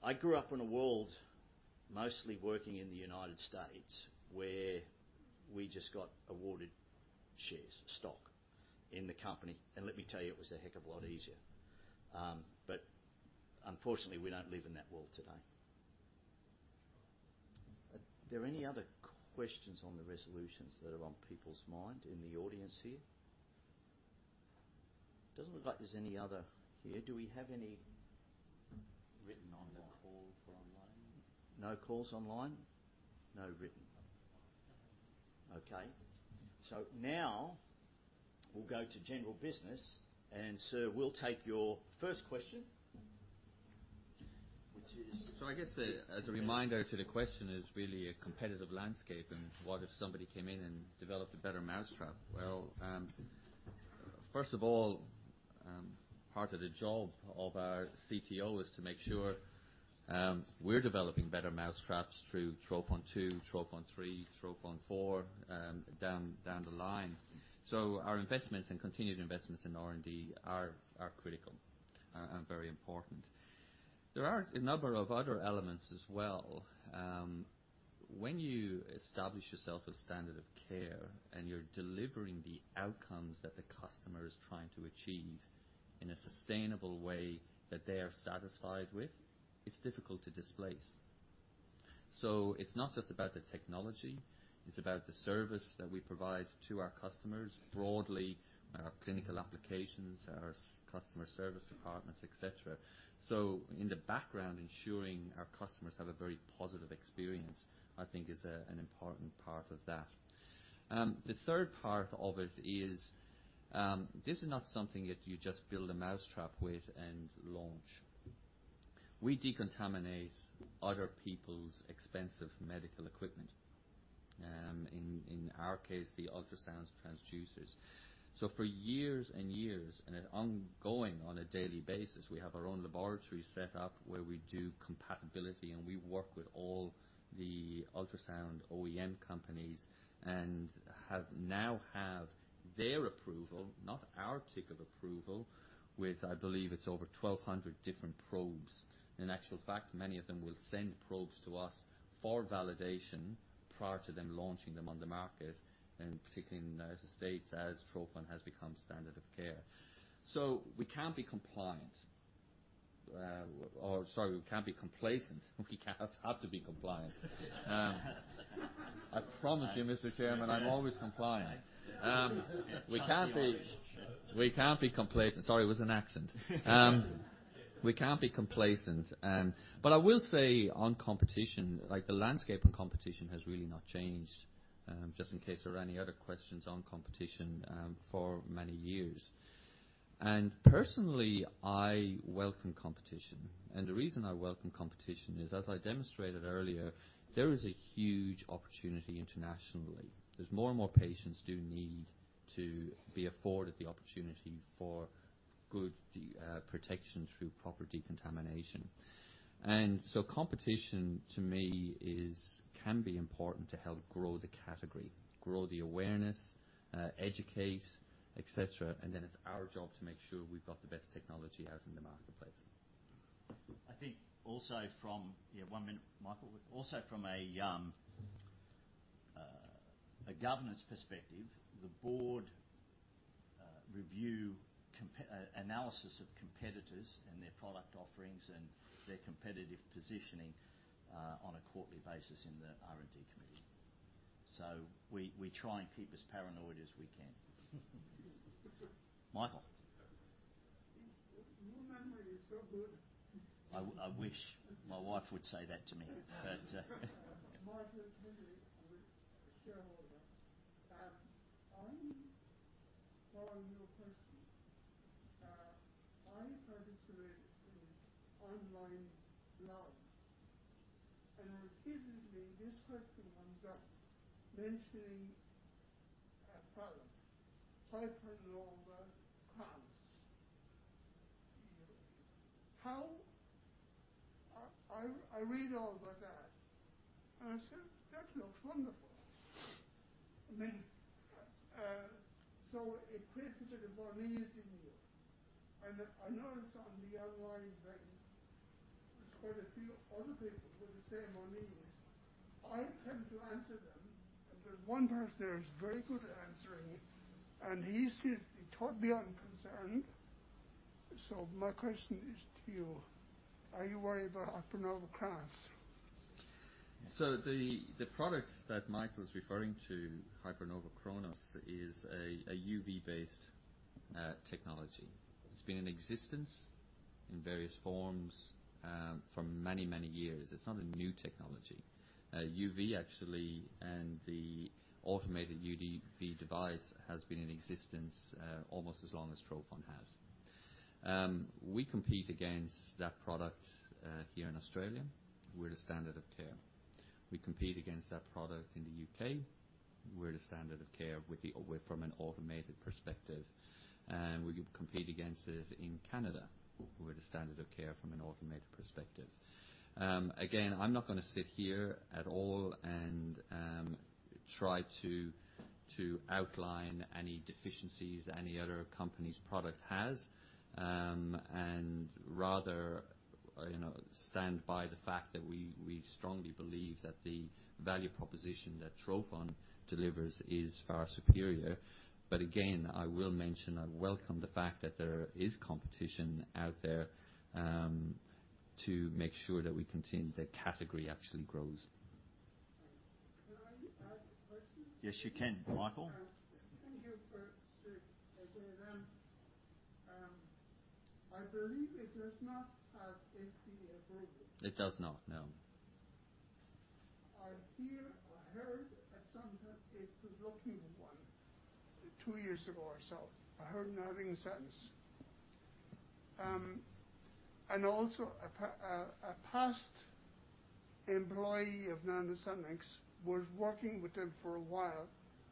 I grew up in a world mostly working in the United States, where we just got awarded shares, stock in the company. Let me tell you, it was a heck of a lot easier. Unfortunately, we don't live in that world today. Are there any other questions on the resolutions that are on people's mind in the audience here? Doesn't look like there's any other here. Do we have any written online? On the call for online. No calls online? No written. Okay. Now we'll go to general business. Sir, we'll take your first question. I guess, as a reminder to the question, is really a competitive landscape, and what if somebody came in and developed a better mousetrap? Well, first of all, part of the job of our CTO is to make sure we're developing better mousetraps through trophon2, trophon3, trophon4 down the line. Our investments and continued investments in R&D are critical and very important. There are a number of other elements as well. When you establish yourself a standard of care, and you're delivering the outcomes that the customer is trying to achieve in a sustainable way that they are satisfied with, it's difficult to displace. It's not just about the technology. It's about the service that we provide to our customers, broadly our clinical applications, our customer service departments, et cetera. In the background, ensuring our customers have a very positive experience, I think is an important part of that. The third part of it is, this is not something that you just build a mousetrap with and launch. We decontaminate other people's expensive medical equipment, in our case, the ultrasound transducers. For years and years, and an ongoing on a daily basis, we have our own laboratory set up where we do compatibility, and we work with all the ultrasound OEM companies and now have their approval, not our tick of approval, with I believe it's over 1,200 different probes. In actual fact, many of them will send probes to us for validation prior to them launching them on the market, and particularly in the United States, as trophon has become standard of care. We can't be compliant. Sorry, we can't be complacent. We have to be compliant. I promise you, Mr. Chairman, I'm always compliant. We can't be complacent. Sorry, it was an accent. We can't be complacent. I will say on competition, like the landscape on competition has really not changed, just in case there are any other questions on competition, for many years. Personally, I welcome competition. The reason I welcome competition is, as I demonstrated earlier, there is a huge opportunity internationally, as more and more patients do need to be afforded the opportunity for good protection through proper decontamination. Competition to me can be important to help grow the category, grow the awareness, educate, et cetera. It's our job to make sure we've got the best technology out in the marketplace. Yeah, one minute, Michael. Also from a governance perspective, the board Review analysis of competitors and their product offerings and their competitive positioning on a quarterly basis in the R&D Committee. We try and keep as paranoid as we can, Michael. Your memory is so good. I wish my wife would say that to me. Michael Henry. I'm a shareholder. I'm following your presentation. I participate in online blogs. Repeatedly, this question comes up mentioning a product, Hypernova Chronos. I read all about that, and I said, "That looks wonderful." I mean, so it creates a bit of unease in you. I noticed on the online thing, there's quite a few other people with the same unease. I attempt to answer them, and there's one person there who's very good at answering it, and he seems totally unconcerned. My question is to you, are you worried about Hypernova Chronos? The product that Michael's referring to, Hypernova Chronos, is a U.V.-based technology. It's been in existence in various forms for many years. It's not a new technology. U.V. actually, and the automated U.V. device has been in existence almost as long as trophon has. We compete against that product here in Australia. We're the standard of care. We compete against that product in the U.K. We're the standard of care from an automated perspective. We compete against it in Canada. We're the standard of care from an automated perspective. Again, I'm not gonna sit here at all and try to outline any deficiencies any other company's product has. Rather, you know, stand by the fact that we strongly believe that the value proposition that trophon delivers is far superior. Again, I will mention, I welcome the fact that there is competition out there to make sure that the category actually grows. Can I ask a question? Yes, you can, Michael. Thank you, sir. I believe it does not have FDA approval. It does not, no. I hear or heard at some time it was looking for 1-2 years ago or so. I heard nothing since. Also a past employee of Nanosonics was working with them for a while.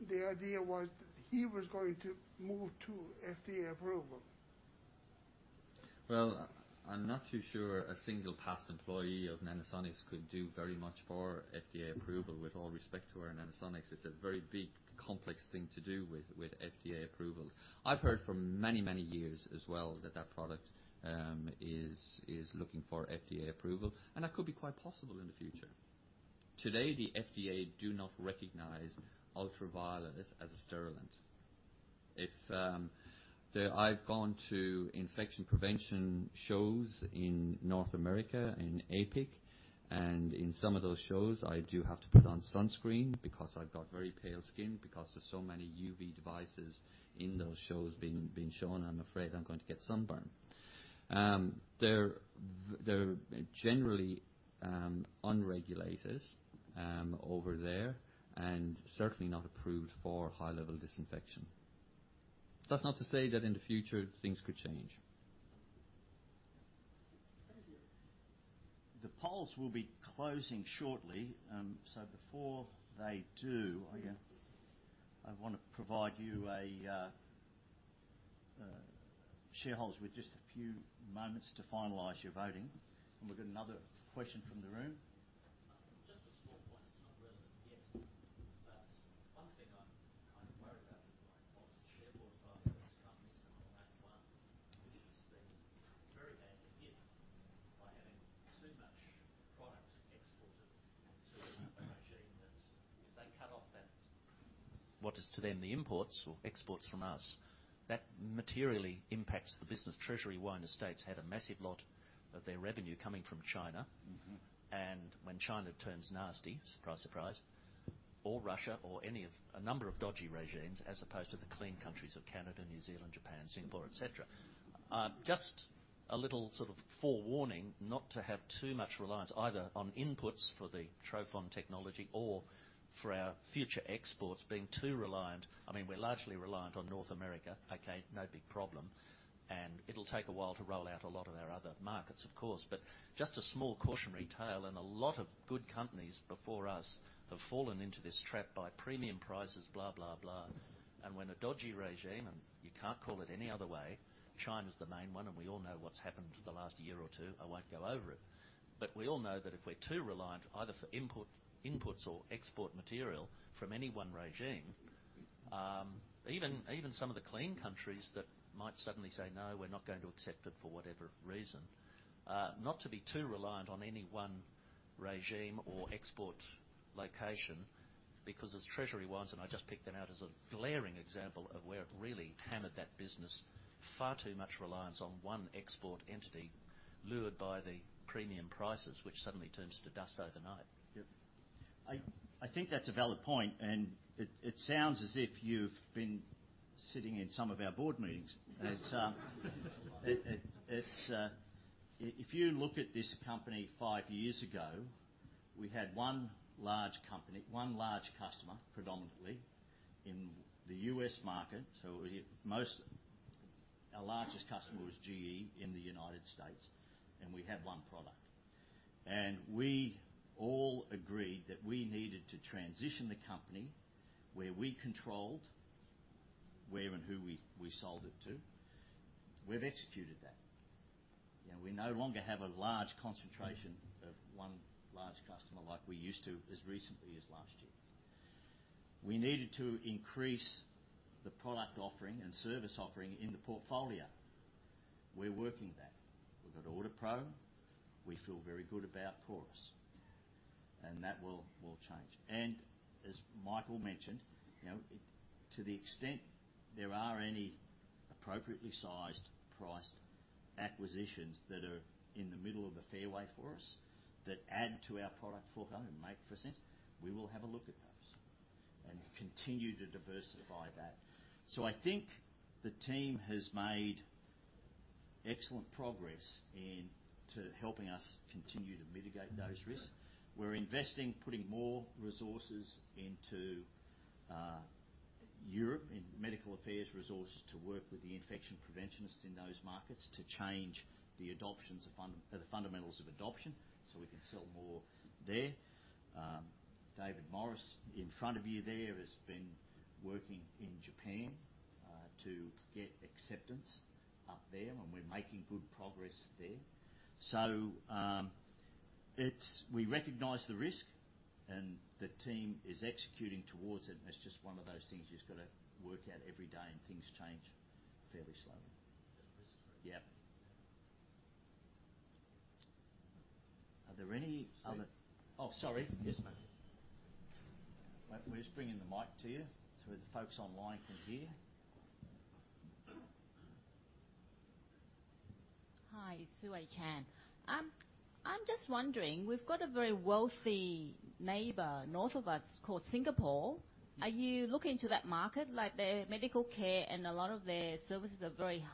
The idea was that he was going to move to FDA approval. Well, I'm not too sure a single past employee of Nanosonics could do very much for FDA approval, with all respect to our Nanosonics. It's a very big, complex thing to do with FDA approvals. I've heard for many, many years as well that product is looking for FDA approval, and that could be quite possible in the future. Today, the FDA do not recognize ultraviolet as a sterilant. I've gone to infection prevention shows in North America, in APIC, and in some of those shows, I do have to put on sunscreen because I've got very pale skin. Because there's so many UV devices in those shows being shown, I'm afraid I'm going to get sunburn. They're generally unregulated over there and certainly not approved for high-level disinfection. That's not to say that in the future things could change. Thank you. The polls will be closing shortly. Before they do, I wanna provide you shareholders with just a few moments to finalize your voting. We've got another question from the room. Just a small point. It's not relevant yet, but one thing I'm kind of worried about is I was a shareholder of one of these companies, and I won't name which one. It has been very badly hit by having too much product exported to a regime that if they cut off that, what is to them the imports or exports from us, that materially impacts the business. Treasury Wine Estates had a massive lot of their revenue coming from China. Mm-hmm. When China turns nasty, surprise, or Russia or any of a number of dodgy regimes, as opposed to the clean countries of Canada, New Zealand, Japan, Singapore, et cetera. Just a little sort of forewarning not to have too much reliance either on inputs for the trophon technology or for our future exports being too reliant. I mean, we're largely reliant on North America. Okay, no big problem. It'll take a while to roll out a lot of our other markets, of course. Just a small cautionary tale, and a lot of good companies before us have fallen into this trap by premium prices, blah, blah. When a dodgy regime, and you can't call it any other way, China's the main one, and we all know what's happened for the last year or two. I won't go over it. We all know that if we're too reliant either for import, inputs or export material from any one regime, even some of the clean countries that might suddenly say, "No, we're not going to accept it," for whatever reason, not to be too reliant on any one regime or export location. Because as Treasury Wine, and I just picked that out as a glaring example of where it really hammered that business, far too much reliance on one export entity lured by the premium prices which suddenly turns to dust overnight. Yep. I think that's a valid point, and it sounds as if you've been sitting in some of our board meetings. Yes. If you look at this company five years ago, we had one large company, one large customer, predominantly in the U.S. market. Our largest customer was GE in the United States, and we had one product. We all agreed that we needed to transition the company where we controlled where and who we sold it to. We've executed that. You know, we no longer have a large concentration of one large customer like we used to as recently as last year. We needed to increase the product offering and service offering in the portfolio. We're working that. We've got AuditPro. We feel very good about CORIS. That will change. And as Michael mentioned, you know, it-- to the extent there are any appropriately sized priced acquisitions that are in the middle of the fairway for us, that add to our product portfolio and make percent, we will have a look at those and continue to diversify that. So I think the team has made excellent progress in to helping us continue to mitigate those risks. Yeah. We're investing, putting more resources into Europe, in medical affairs resources to work with the infection preventionists in those markets to change the fundamentals of adoption, so we can sell more there. David Morris in front of you there has been working in Japan to get acceptance up there, and we're making good progress there. We recognize the risk, and the team is executing towards it. It's just one of those things you just gotta work at every day, and things change fairly slowly. That's for sure. Yeah. Are there any other? Steve. Oh, sorry. Yes, ma'am. Wait, we're just bringing the mic to you so the folks online can hear. Hi, Sui Chan. I'm just wondering, we've got a very wealthy neighbor north of us called Singapore. Are you looking to that market? Like, their medical care and a lot of their services are very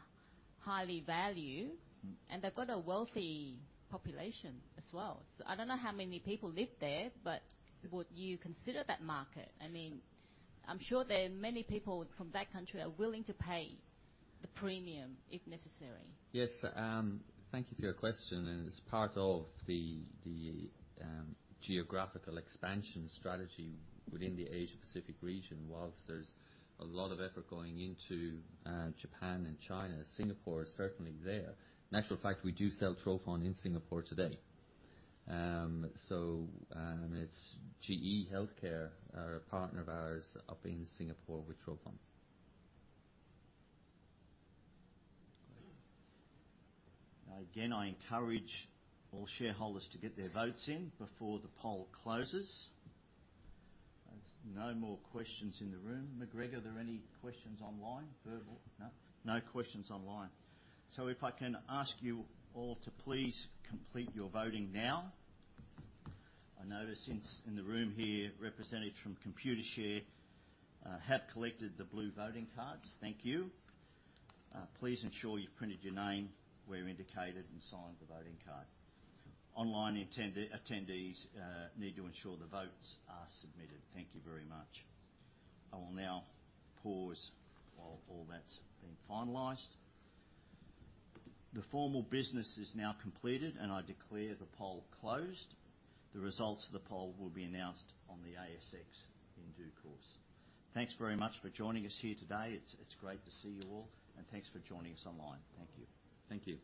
highly valued. Mm-hmm. They've got a wealthy population as well. I don't know how many people live there, but would you consider that market? I mean, I'm sure there are many people from that country are willing to pay the premium if necessary. Yes. Thank you for your question. As part of the geographical expansion strategy within the Asia Pacific region, whilst there's a lot of effort going into Japan and China, Singapore is certainly there. In actual fact, we do sell trophon in Singapore today. It's GE HealthCare, a partner of ours up in Singapore with trophon. Again, I encourage all shareholders to get their votes in before the poll closes. There's no more questions in the room. McGregor, are there any questions online, verbal? No. No questions online. If I can ask you all to please complete your voting now. I notice in the room here, representatives from Computershare have collected the blue voting cards. Thank you. Please ensure you've printed your name where indicated and signed the voting card. Online attendees need to ensure the votes are submitted. Thank you very much. I will now pause while all that's being finalized. The formal business is now completed, and I declare the poll closed. The results of the poll will be announced on the ASX in due course. Thanks very much for joining us here today. It's great to see you all. Thanks for joining us online. Thank you. Thank you.